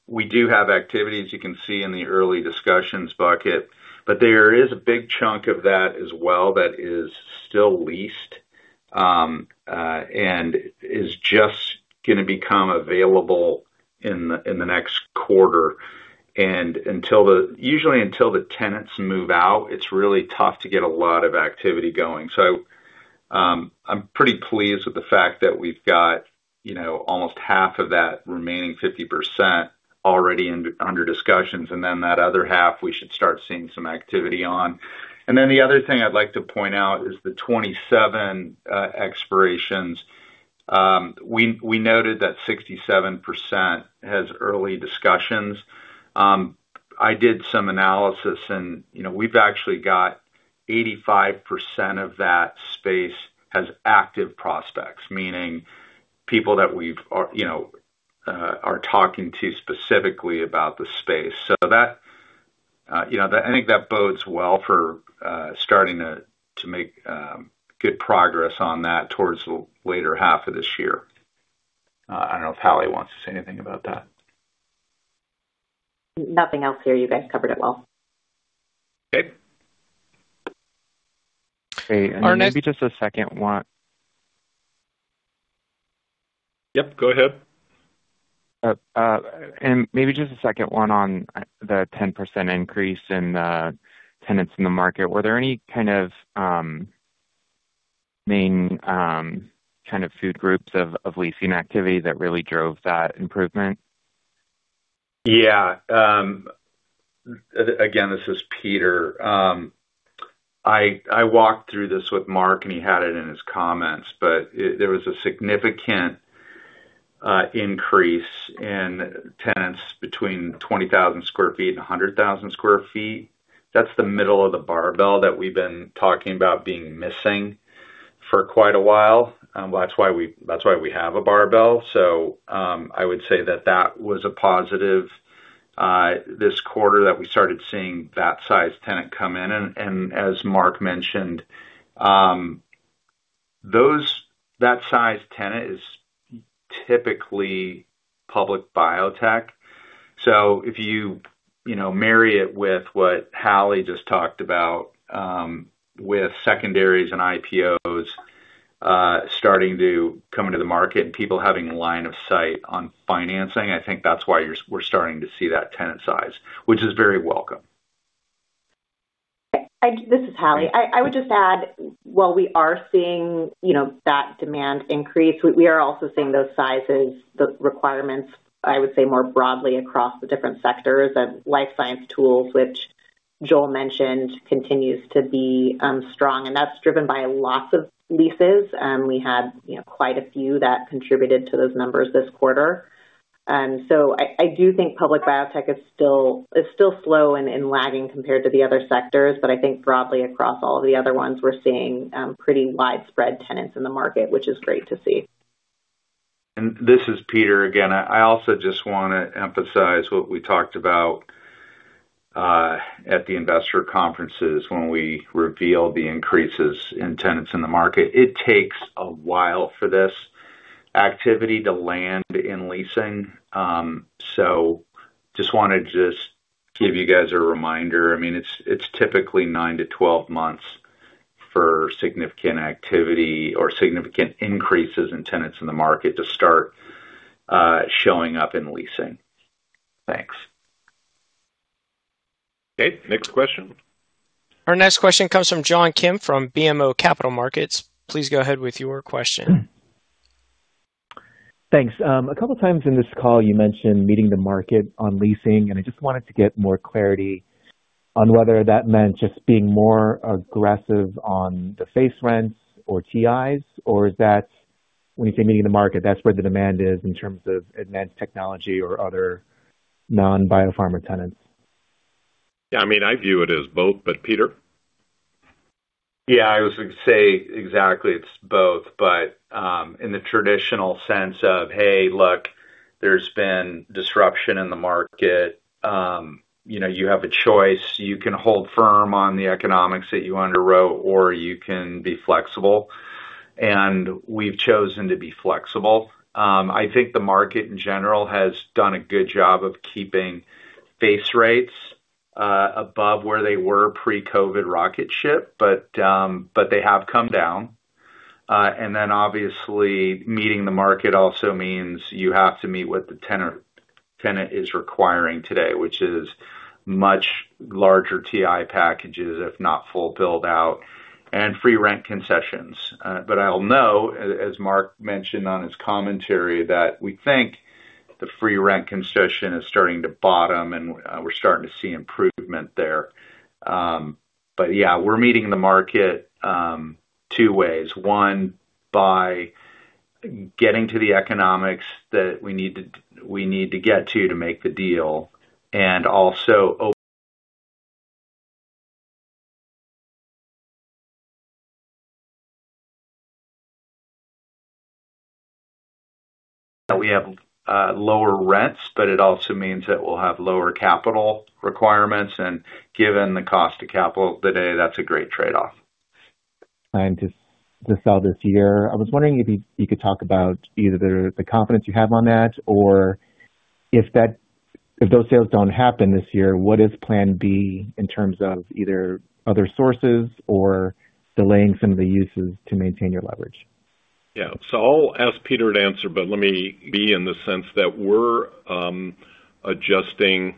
we do have activity, as you can see in the early discussions bucket. There is a big chunk of that as well that is still leased, and is just going to become available in the next quarter. Usually until the tenants move out, it's really tough to get a lot of activity going. I'm pretty pleased with the fact that we've got almost half of that remaining 50% already under discussions, and then that other half we should start seeing some activity on. The other thing I'd like to point out is the 27 expirations. We noted that 67% has early discussions. I did some analysis, we've actually got 85% of that space as active prospects, meaning people that we are talking to specifically about the space. That, I think that bodes well for starting to make good progress on that towards the latter half of this year. I don't know if Hallie wants to say anything about that. Nothing else here. You guys covered it well. Okay. Okay. Maybe just a second one. Yep, go ahead. Maybe just a second one on the 10% increase in the tenants in the market. Were there any kind of, main, kind of, food groups of leasing activity that really drove that improvement? Yeah. Again, this is Peter. I walked through this with Marc, he had it in his comments, but there was a significant increase in tenants between 20,000 sq ft and 100,000 sq ft. That's the middle of the barbell that we've been talking about being missing for quite a while. That's why we have a barbell. I would say that that was a positive, this quarter that we started seeing that size tenant come in. As Marc mentioned, that size tenant is typically public biotech. If you marry it with what Hallie just talked about, with secondaries and IPOs starting to come into the market and people having line of sight on financing, I think that's why we're starting to see that tenant size, which is very welcome. This is Hallie. I would just add, while we are seeing that demand increase, we are also seeing those sizes, the requirements, I would say, more broadly across the different sectors of life science tools, which Joel mentioned continues to be strong, that's driven by lots of leases. We had quite a few that contributed to those numbers this quarter. I do think public biotech is still slow and lagging compared to the other sectors. I think broadly across all of the other ones, we're seeing pretty widespread tenants in the market, which is great to see. This is Peter again. I also just want to emphasize what we talked about at the investor conferences when we revealed the increases in tenants in the market. It takes a while for this activity to land in leasing. Just wanted to give you guys a reminder. It's typically 9-12 months for significant activity or significant increases in tenants in the market to start showing up in leasing. Thanks. Okay. Next question. Our next question comes from John Kim from BMO Capital Markets. Please go ahead with your question. Thanks. A couple times in this call, you mentioned meeting the market on leasing. I just wanted to get more clarity on whether that meant just being more aggressive on the face rents or TIs, or is that when you say meeting the market, that's where the demand is in terms of advanced technology or other non-biopharma tenants? Yeah, I view it as both, but Peter? Yeah, I would say exactly it's both, but in the traditional sense of, hey, look, there's been disruption in the market. You have a choice. You can hold firm on the economics that you underwrote, or you can be flexible. We've chosen to be flexible. I think the market in general has done a good job of keeping base rates above where they were pre-COVID rocket ship. They have come down. Obviously, meeting the market also means you have to meet what the tenant is requiring today, which is much larger TI packages, if not full build out, and free rent concessions. I'll note, as Marc mentioned on his commentary, that we think the free rent concession is starting to bottom and we're starting to see improvement there. Yeah, we're meeting the market two ways. One, by getting to the economics that we need to get to to make the deal, also we have lower rents, it also means that we'll have lower capital requirements, given the cost of capital today, that's a great trade-off. Plan to sell this year. I was wondering if you could talk about either the confidence you have on that, or if those sales don't happen this year, what is Plan B in terms of either other sources or delaying some of the uses to maintain your leverage? Yeah, I'll ask Peter to answer, but let me be in the sense that we're adjusting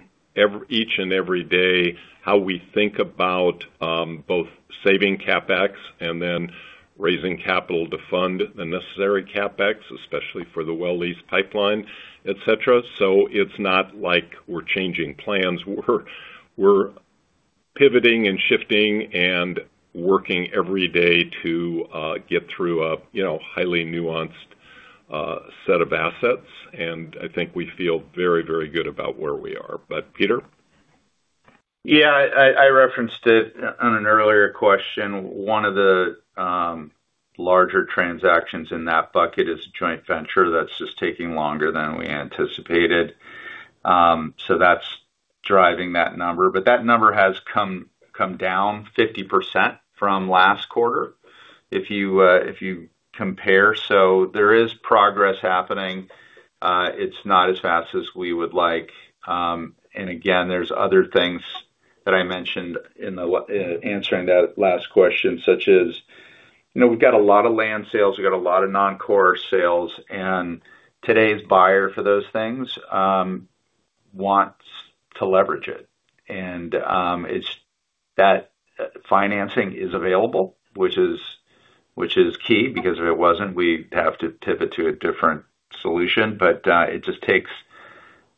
each and every day how we think about both saving CapEx and then raising capital to fund the necessary CapEx, especially for the well lease pipeline, et cetera. It's not like we're changing plans. We're pivoting and shifting and working every day to get through a highly nuanced set of assets. I think we feel very, very good about where we are. Peter? Yeah, I referenced it on an earlier question. One of the larger transactions in that bucket is a joint venture that's just taking longer than we anticipated. That's driving that number. That number has come down 50% from last quarter, if you compare. There is progress happening. It's not as fast as we would like. Again, there's other things that I mentioned in answering that last question, such as, we've got a lot of land sales, we've got a lot of non-core sales. Today's buyer for those things wants to leverage it. That financing is available, which is key, because if it wasn't, we'd have to pivot to a different solution. It just takes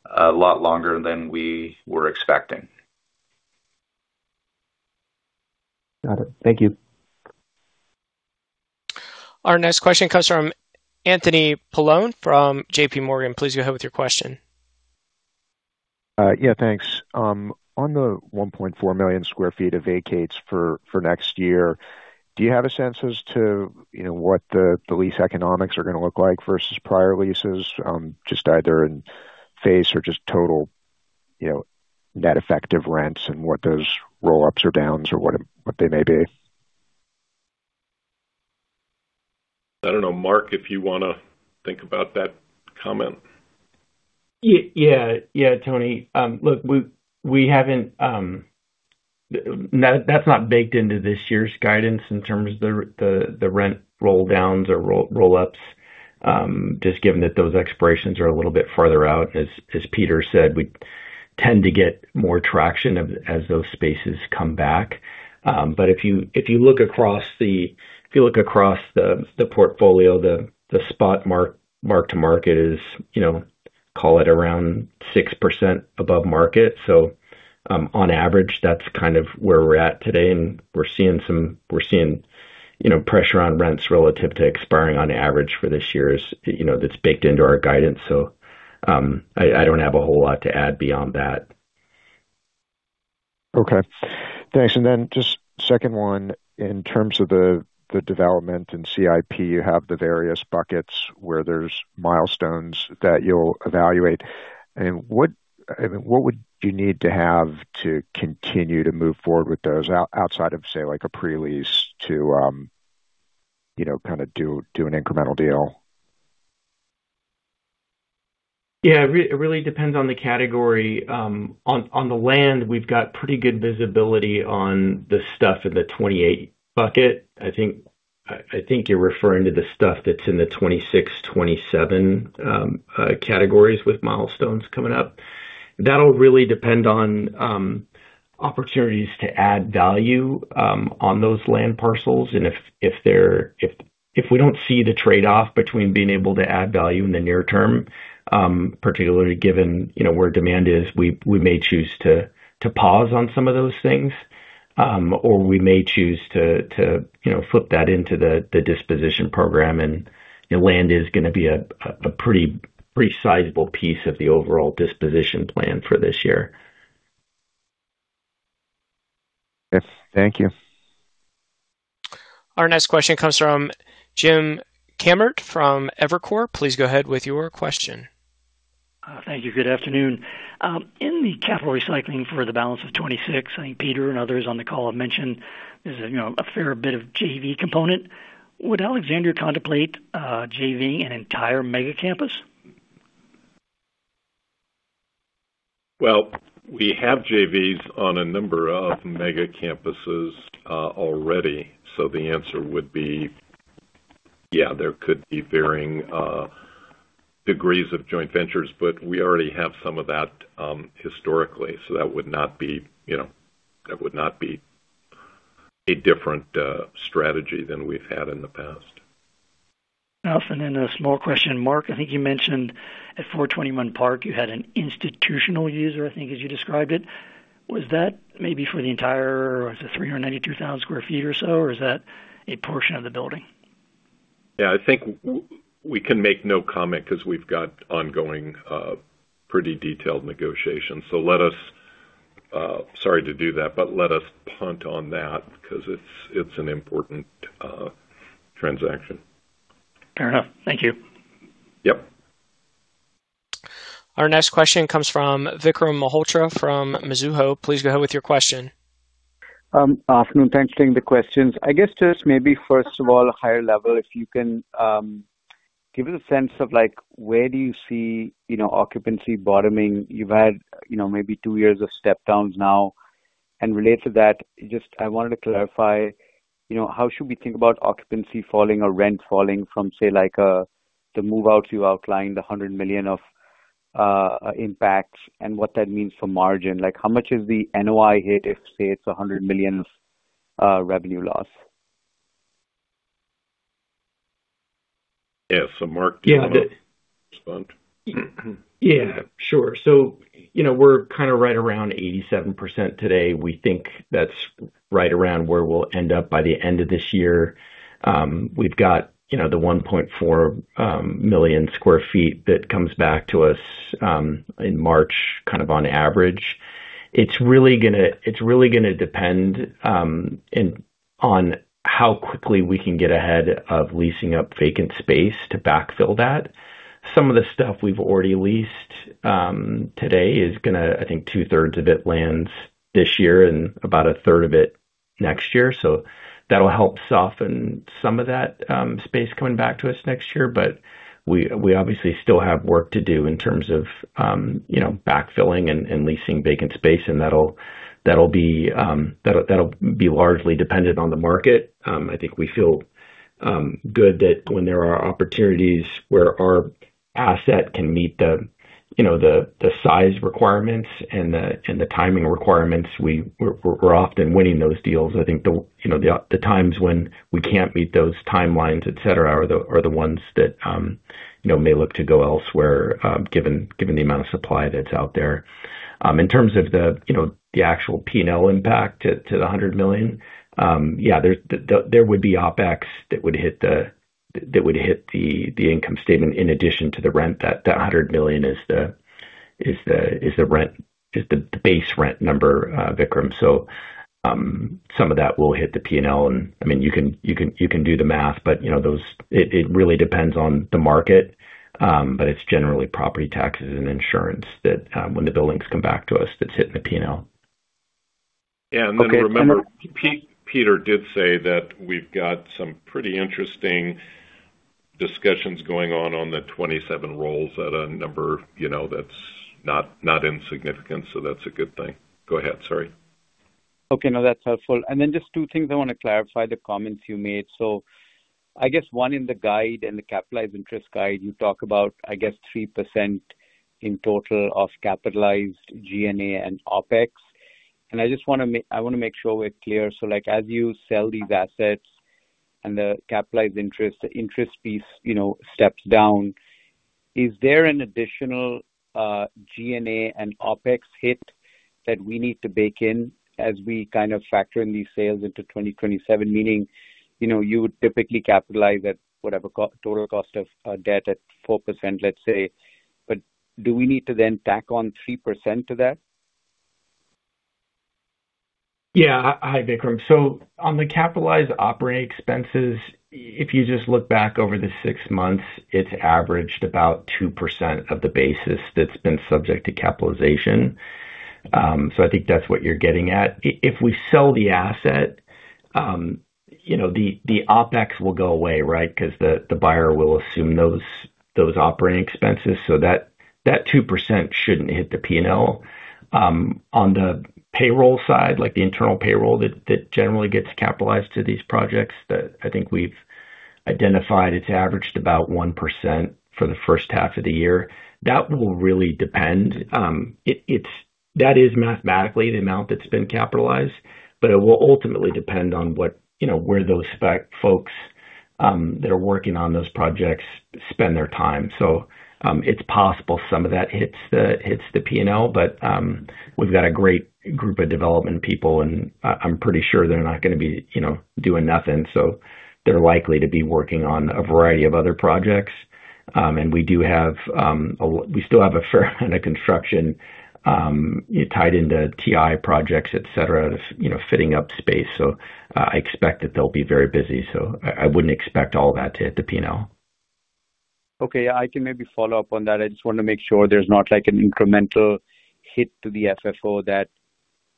a lot longer than we were expecting. Got it. Thank you. Our next question comes from Anthony Paolone from JPMorgan. Please go ahead with your question. Yeah, thanks. On the 1.4 million sq ft of vacates for next year, do you have a sense as to what the lease economics are going to look like versus prior leases, just either in face or just total net effective rents and what those roll-ups or downs or what they may be? I don't know, Marc, if you want to think about that comment. Yeah, Tony. That's not baked into this year's guidance in terms of the rent roll-downs or roll-ups, just given that those expirations are a little bit further out. As Peter said, we tend to get more traction as those spaces come back. If you look across the portfolio, the spot mark to market is call it around 6% above market. On average, that's kind of where we're at today, and we're seeing pressure on rents relative to expiring on average for this year's that's baked into our guidance. I don't have a whole lot to add beyond that. Okay. Thanks. Then just second one, in terms of the development and CIP, you have the various buckets where there's milestones that you'll evaluate. What would you need to have to continue to move forward with those outside of, say, like a pre-lease to kind of do an incremental deal? Yeah. It really depends on the category. On the land, we've got pretty good visibility on the stuff in the 2028 bucket. I think you're referring to the stuff that's in the 2026, 2027 categories with milestones coming up. That'll really depend on opportunities to add value on those land parcels. If we don't see the trade-off between being able to add value in the near term, particularly given where demand is, we may choose to pause on some of those things. We may choose to flip that into the disposition program, Land is going to be a pretty sizable piece of the overall disposition plan for this year. Yes. Thank you. Our next question comes from James Kammert from Evercore. Please go ahead with your question. Thank you. Good afternoon. In the capital recycling for the balance of 2026, I think Peter and others on the call have mentioned there's a fair bit of JV component. Would Alexandria contemplate JV an entire Megacampus? We have JVs on a number of Megacampuses already. The answer would be, yeah, there could be varying degrees of joint ventures, but we already have some of that historically, that would not be a different strategy than we've had in the past. A small question, Marc, I think you mentioned at 421 Park, you had an institutional user, I think, as you described it. Was that maybe for the entire, was it 392,000 sq ft or so? Is that a portion of the building? Yeah, I think we can make no comment because we've got ongoing pretty detailed negotiations. Sorry to do that, let us punt on that because it's an important transaction. Fair enough. Thank you. Yep. Our next question comes from Vikram Malhotra from Mizuho. Please go ahead with your question. Afternoon. Thanks for taking the questions. I guess just maybe first of all, higher level, if you can give a sense of where do you see occupancy bottoming. You've had maybe two years of step downs now. Related to that, I wanted to clarify how should we think about occupancy falling or rent falling from, say, the move outs you outlined, the $100 million of impacts and what that means for margin. How much is the NOI hit if, say, it's $100 million of revenue loss? Yeah. Marc, do you want to respond? Yeah, sure. We're kind of right around 87% today. We think that's right around where we'll end up by the end of this year. We've got the 1.4 million sq ft that comes back to us in March, kind of on average. It's really going to depend on how quickly we can get ahead of leasing up vacant space to backfill that. Some of the stuff we've already leased today is going to, I think two-thirds of it lands this year and about a third of it next year. That'll help soften some of that space coming back to us next year. We obviously still have work to do in terms of backfilling and leasing vacant space, and that'll be largely dependent on the market. I think we feel good that when there are opportunities where our asset can meet the size requirements and the timing requirements, we're often winning those deals. I think the times when we can't meet those timelines, et cetera, are the ones that may look to go elsewhere, given the amount of supply that's out there. In terms of the actual P&L impact to the $100 million, yeah, there would be OpEx that would hit the income statement in addition to the rent. That $100 million is the base rent number, Vikram. Some of that will hit the P&L and you can do the math, but it really depends on the market. It's generally property taxes and insurance that when the buildings come back to us, that's hitting the P&L. Yeah. Remember, Peter did say that we've got some pretty interesting discussions going on on the 27 rolls at a number that's not insignificant. That's a good thing. Go ahead, sorry. Okay. No, that's helpful. Just two things I want to clarify the comments you made. I guess one in the guide, in the capitalized interest guide, you talk about, I guess 3% in total of capitalized G&A and OpEx. I just want to make sure we're clear. Like as you sell these assets and the capitalized interest, the interest piece steps down, is there an additional G&A and OpEx hit that we need to bake in as we kind of factor in these sales into 2027? Meaning, you would typically capitalize at whatever total cost of debt at 4%, let's say, but do we need to then tack on 3% to that? Yeah. Hi, Vikram. On the capitalized operating expenses, if you just look back over the six months, it's averaged about 2% of the basis that's been subject to capitalization. I think that's what you're getting at. If we sell the asset, the OpEx will go away, right? Because the buyer will assume those operating expenses. That 2% shouldn't hit the P&L. On the payroll side, like the internal payroll that generally gets capitalized to these projects that I think we've identified, it's averaged about 1% for the first half of the year. That will really depend. That is mathematically the amount that's been capitalized, but it will ultimately depend on where those folks that are working on those projects spend their time. It's possible some of that hits the P&L, we've got a great group of development people and I'm pretty sure they're not going to be doing nothing. They're likely to be working on a variety of other projects. We still have a fair amount of construction tied into TI projects, et cetera, fitting up space. I expect that they'll be very busy. I wouldn't expect all that to hit the P&L. Okay. Yeah, I can maybe follow up on that. I just want to make sure there's not like an incremental hit to the FFO that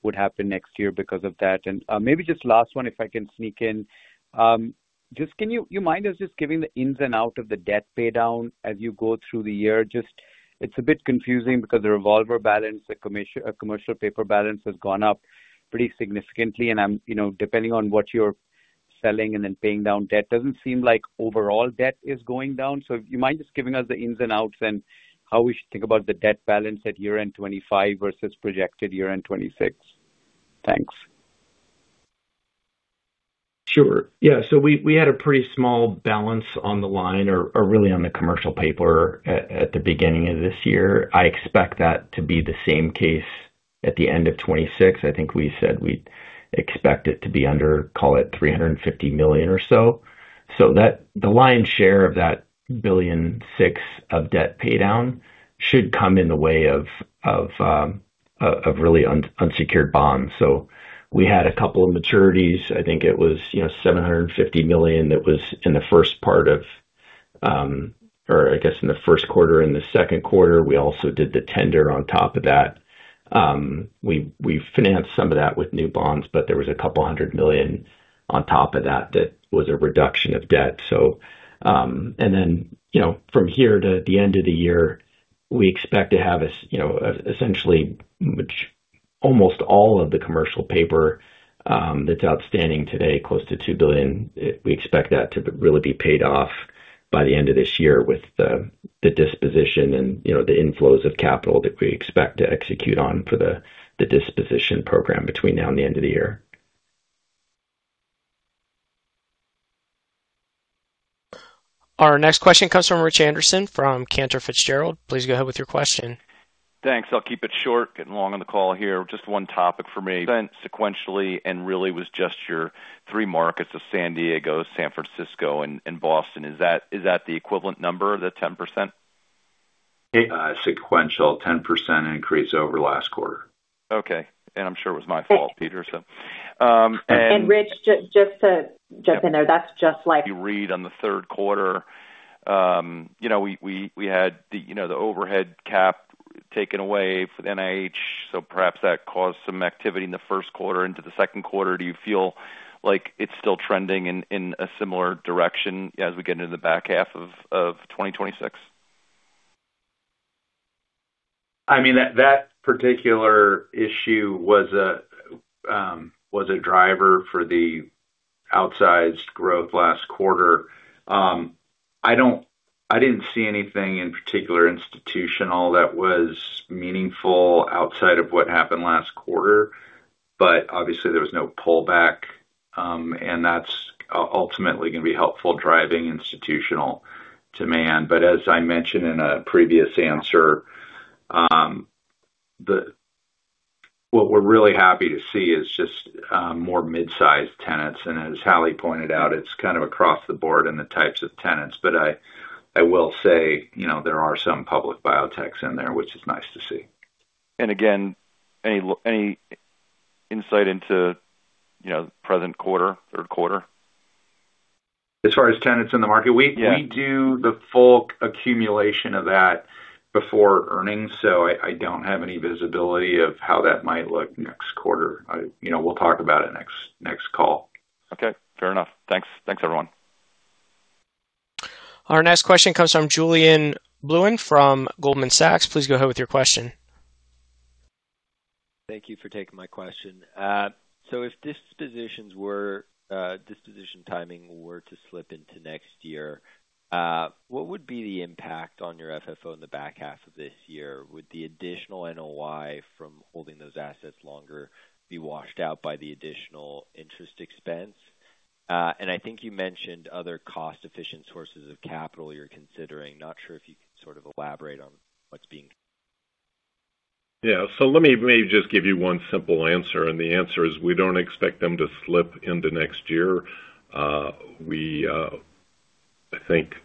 would happen next year because of that. Maybe just last one, if I can sneak in. Do you mind just giving the ins and outs of the debt pay down as you go through the year? It's a bit confusing because the revolver balance, the commercial paper balance has gone up pretty significantly, depending on what you're selling and then paying down debt, doesn't seem like overall debt is going down. Do you mind just giving us the ins and outs and how we should think about the debt balance at year-end 2025 versus projected year-end 2026? Thanks. Sure. Yeah. We had a pretty small balance on the line or really on the commercial paper at the beginning of this year. I expect that to be the same case at the end of 2026. I think we said we expect it to be under, call it, $350 million or so. The lion's share of that $1.6 billion of debt pay down should come in the way of really unsecured bonds. We had a couple of maturities. I think it was $750 million that was in the first quarter and the second quarter. We also did the tender on top of that. We financed some of that with new bonds, there was $200 million on top of that that was a reduction of debt. From here to the end of the year, we expect to have essentially almost all of the commercial paper that's outstanding today, close to $2 billion. We expect that to really be paid off by the end of this year with the disposition and the inflows of capital that we expect to execute on for the disposition program between now and the end of the year. Our next question comes from Rich Anderson from Cantor Fitzgerald. Please go ahead with your question. Thanks. I'll keep it short. Getting long on the call here. Just one topic for me. Sequentially and really was just your three markets of San Diego, San Francisco, and Boston. Is that the equivalent number, the 10%? Sequential 10% increase over last quarter. Okay. I'm sure it was my fault, Peter. Rich, just to jump in there, that's just. You read on the third quarter. We had the overhead cap taken away for the NIH. Perhaps that caused some activity in the first quarter into the second quarter. Do you feel like it's still trending in a similar direction as we get into the back half of 2026? That particular issue was a driver for the outsized growth last quarter. I didn't see anything in particular institutional that was meaningful outside of what happened last quarter. Obviously there was no pullback, and that's ultimately going to be helpful driving institutional demand. As I mentioned in a previous answer, what we're really happy to see is just more mid-sized tenants. As Hallie pointed out, it's kind of across the board in the types of tenants. I will say, there are some public biotechs in there, which is nice to see. Again, any insight into present quarter, third quarter? As far as tenants in the market? Yeah. We do the full accumulation of that before earnings. I don't have any visibility of how that might look next quarter. We'll talk about it next call. Okay, fair enough. Thanks. Thanks, everyone. Our next question comes from Julien Blouin from Goldman Sachs. Please go ahead with your question. Thank you for taking my question. If disposition timing were to slip into next year, what would be the impact on your FFO in the back half of this year? Would the additional NOI from holding those assets longer be washed out by the additional interest expense? I think you mentioned other cost-efficient sources of capital you're considering. Not sure if you could sort of elaborate on what's being? Yeah. Let me just give you one simple answer. The answer is we don't expect them to slip into next year. We, I think,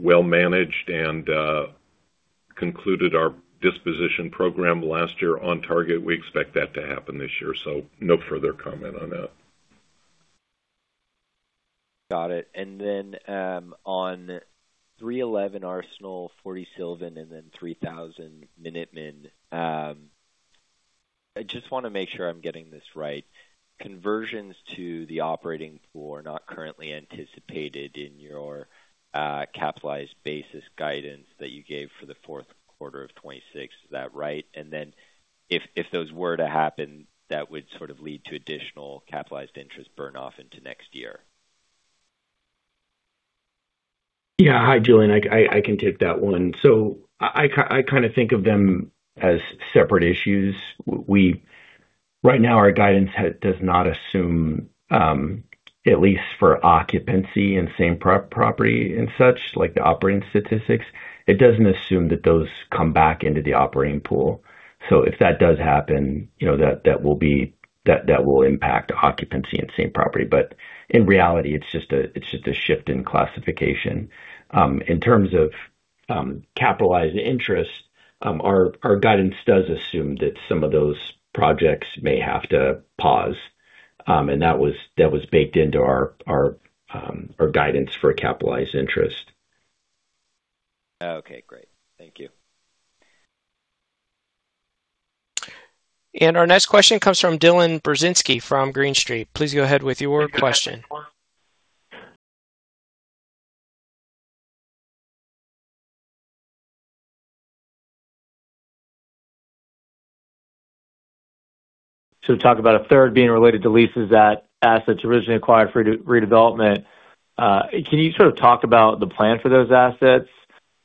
well managed and concluded our disposition program last year on target. We expect that to happen this year. No further comment on that. Got it. On 311 Arsenal, 40 Sylvan, and 3000 Minuteman, I just want to make sure I'm getting this right. Conversions to the operating pool are not currently anticipated in your capitalized basis guidance that you gave for the fourth quarter of 2026. Is that right? If those were to happen, that would sort of lead to additional capitalized interest burn off into next year. Yeah. Hi, Julien. I can take that one. I kind of think of them as separate issues. Right now our guidance does not assume, at least for occupancy and same property and such, like the operating statistics, it doesn't assume that those come back into the operating pool. If that does happen, that will impact occupancy and same property. In reality, it's just a shift in classification. In terms of capitalized interest, our guidance does assume that some of those projects may have to pause. That was baked into our guidance for capitalized interest. Okay, great. Thank you. Our next question comes from Dylan Burzinski from Green Street. Please go ahead with your question. Talk about a third being related to leases at assets originally acquired for redevelopment. Can you sort of talk about the plan for those assets?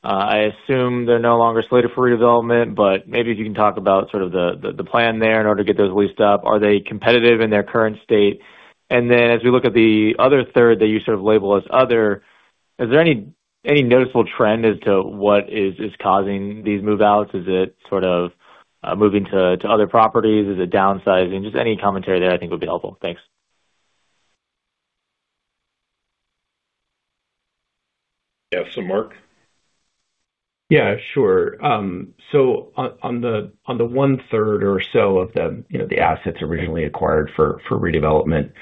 I assume they're no longer slated for redevelopment, but maybe if you can talk about the plan there in order to get those leased up. Are they competitive in their current state? Then as we look at the other third that you sort of label as other, is there any noticeable trend as to what is causing these move-outs? Is it sort of moving to other properties? Is it downsizing? Just any commentary there I think would be helpful. Thanks. Yes. Marc? Yeah, sure. On the one-third or so of the assets originally acquired for redevelopment,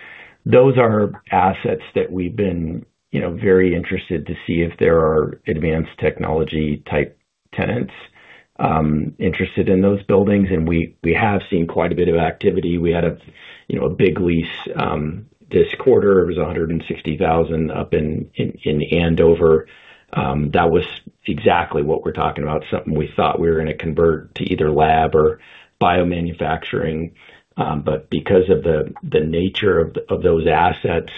those are assets that we've been very interested to see if there are advanced technology type tenants interested in those buildings. We have seen quite a bit of activity. We had a big lease this quarter. It was 160,000 RSF up in Andover. That was exactly what we're talking about, something we thought we were going to convert to either lab or biomanufacturing. Because of the nature of those assets,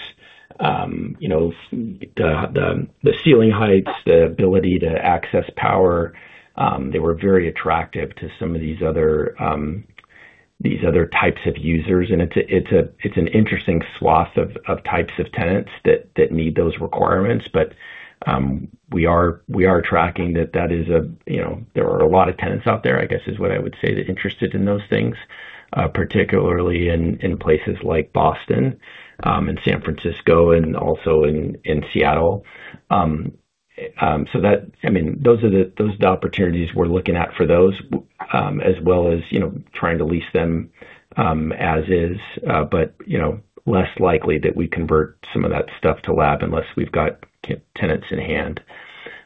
the ceiling heights, the ability to access power, they were very attractive to some of these other types of users. It's an interesting swath of types of tenants that need those requirements. We are tracking that there are a lot of tenants out there, I guess is what I would say, that are interested in those things. Particularly in places like Boston, San Francisco, in Seattle. Those are the opportunities we're looking at for those, as well as trying to lease them as is. Less likely that we convert some of that stuff to lab unless we've got tenants in hand.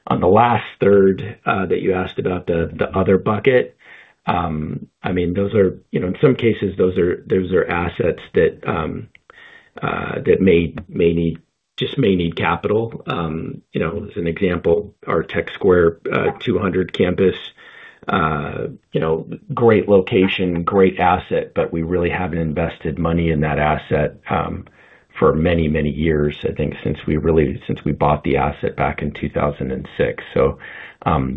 On the last third that you asked about, the other bucket. In some cases, those are assets that just may need capital. As an example, our Technology Square 200 Campus. Great location, great asset, but we really haven't invested money in that asset for many, many years, I think since we bought the asset back in 2006.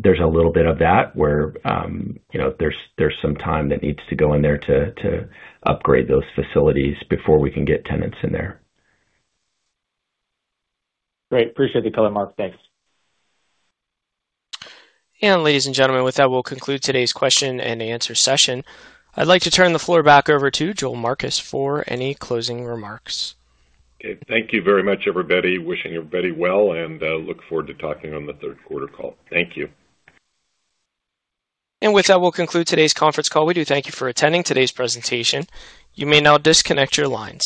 There's a little bit of that where there's some time that needs to go in there to upgrade those facilities before we can get tenants in there. Great. Appreciate the color, Marc. Thanks. Ladies and gentlemen, with that, we'll conclude today's question and answer session. I'd like to turn the floor back over to Joel Marcus for any closing remarks. Okay. Thank you very much, everybody. Wishing everybody well, and I look forward to talking on the third quarter call. Thank you. With that, we'll conclude today's conference call. We do thank you for attending today's presentation. You may now disconnect your lines.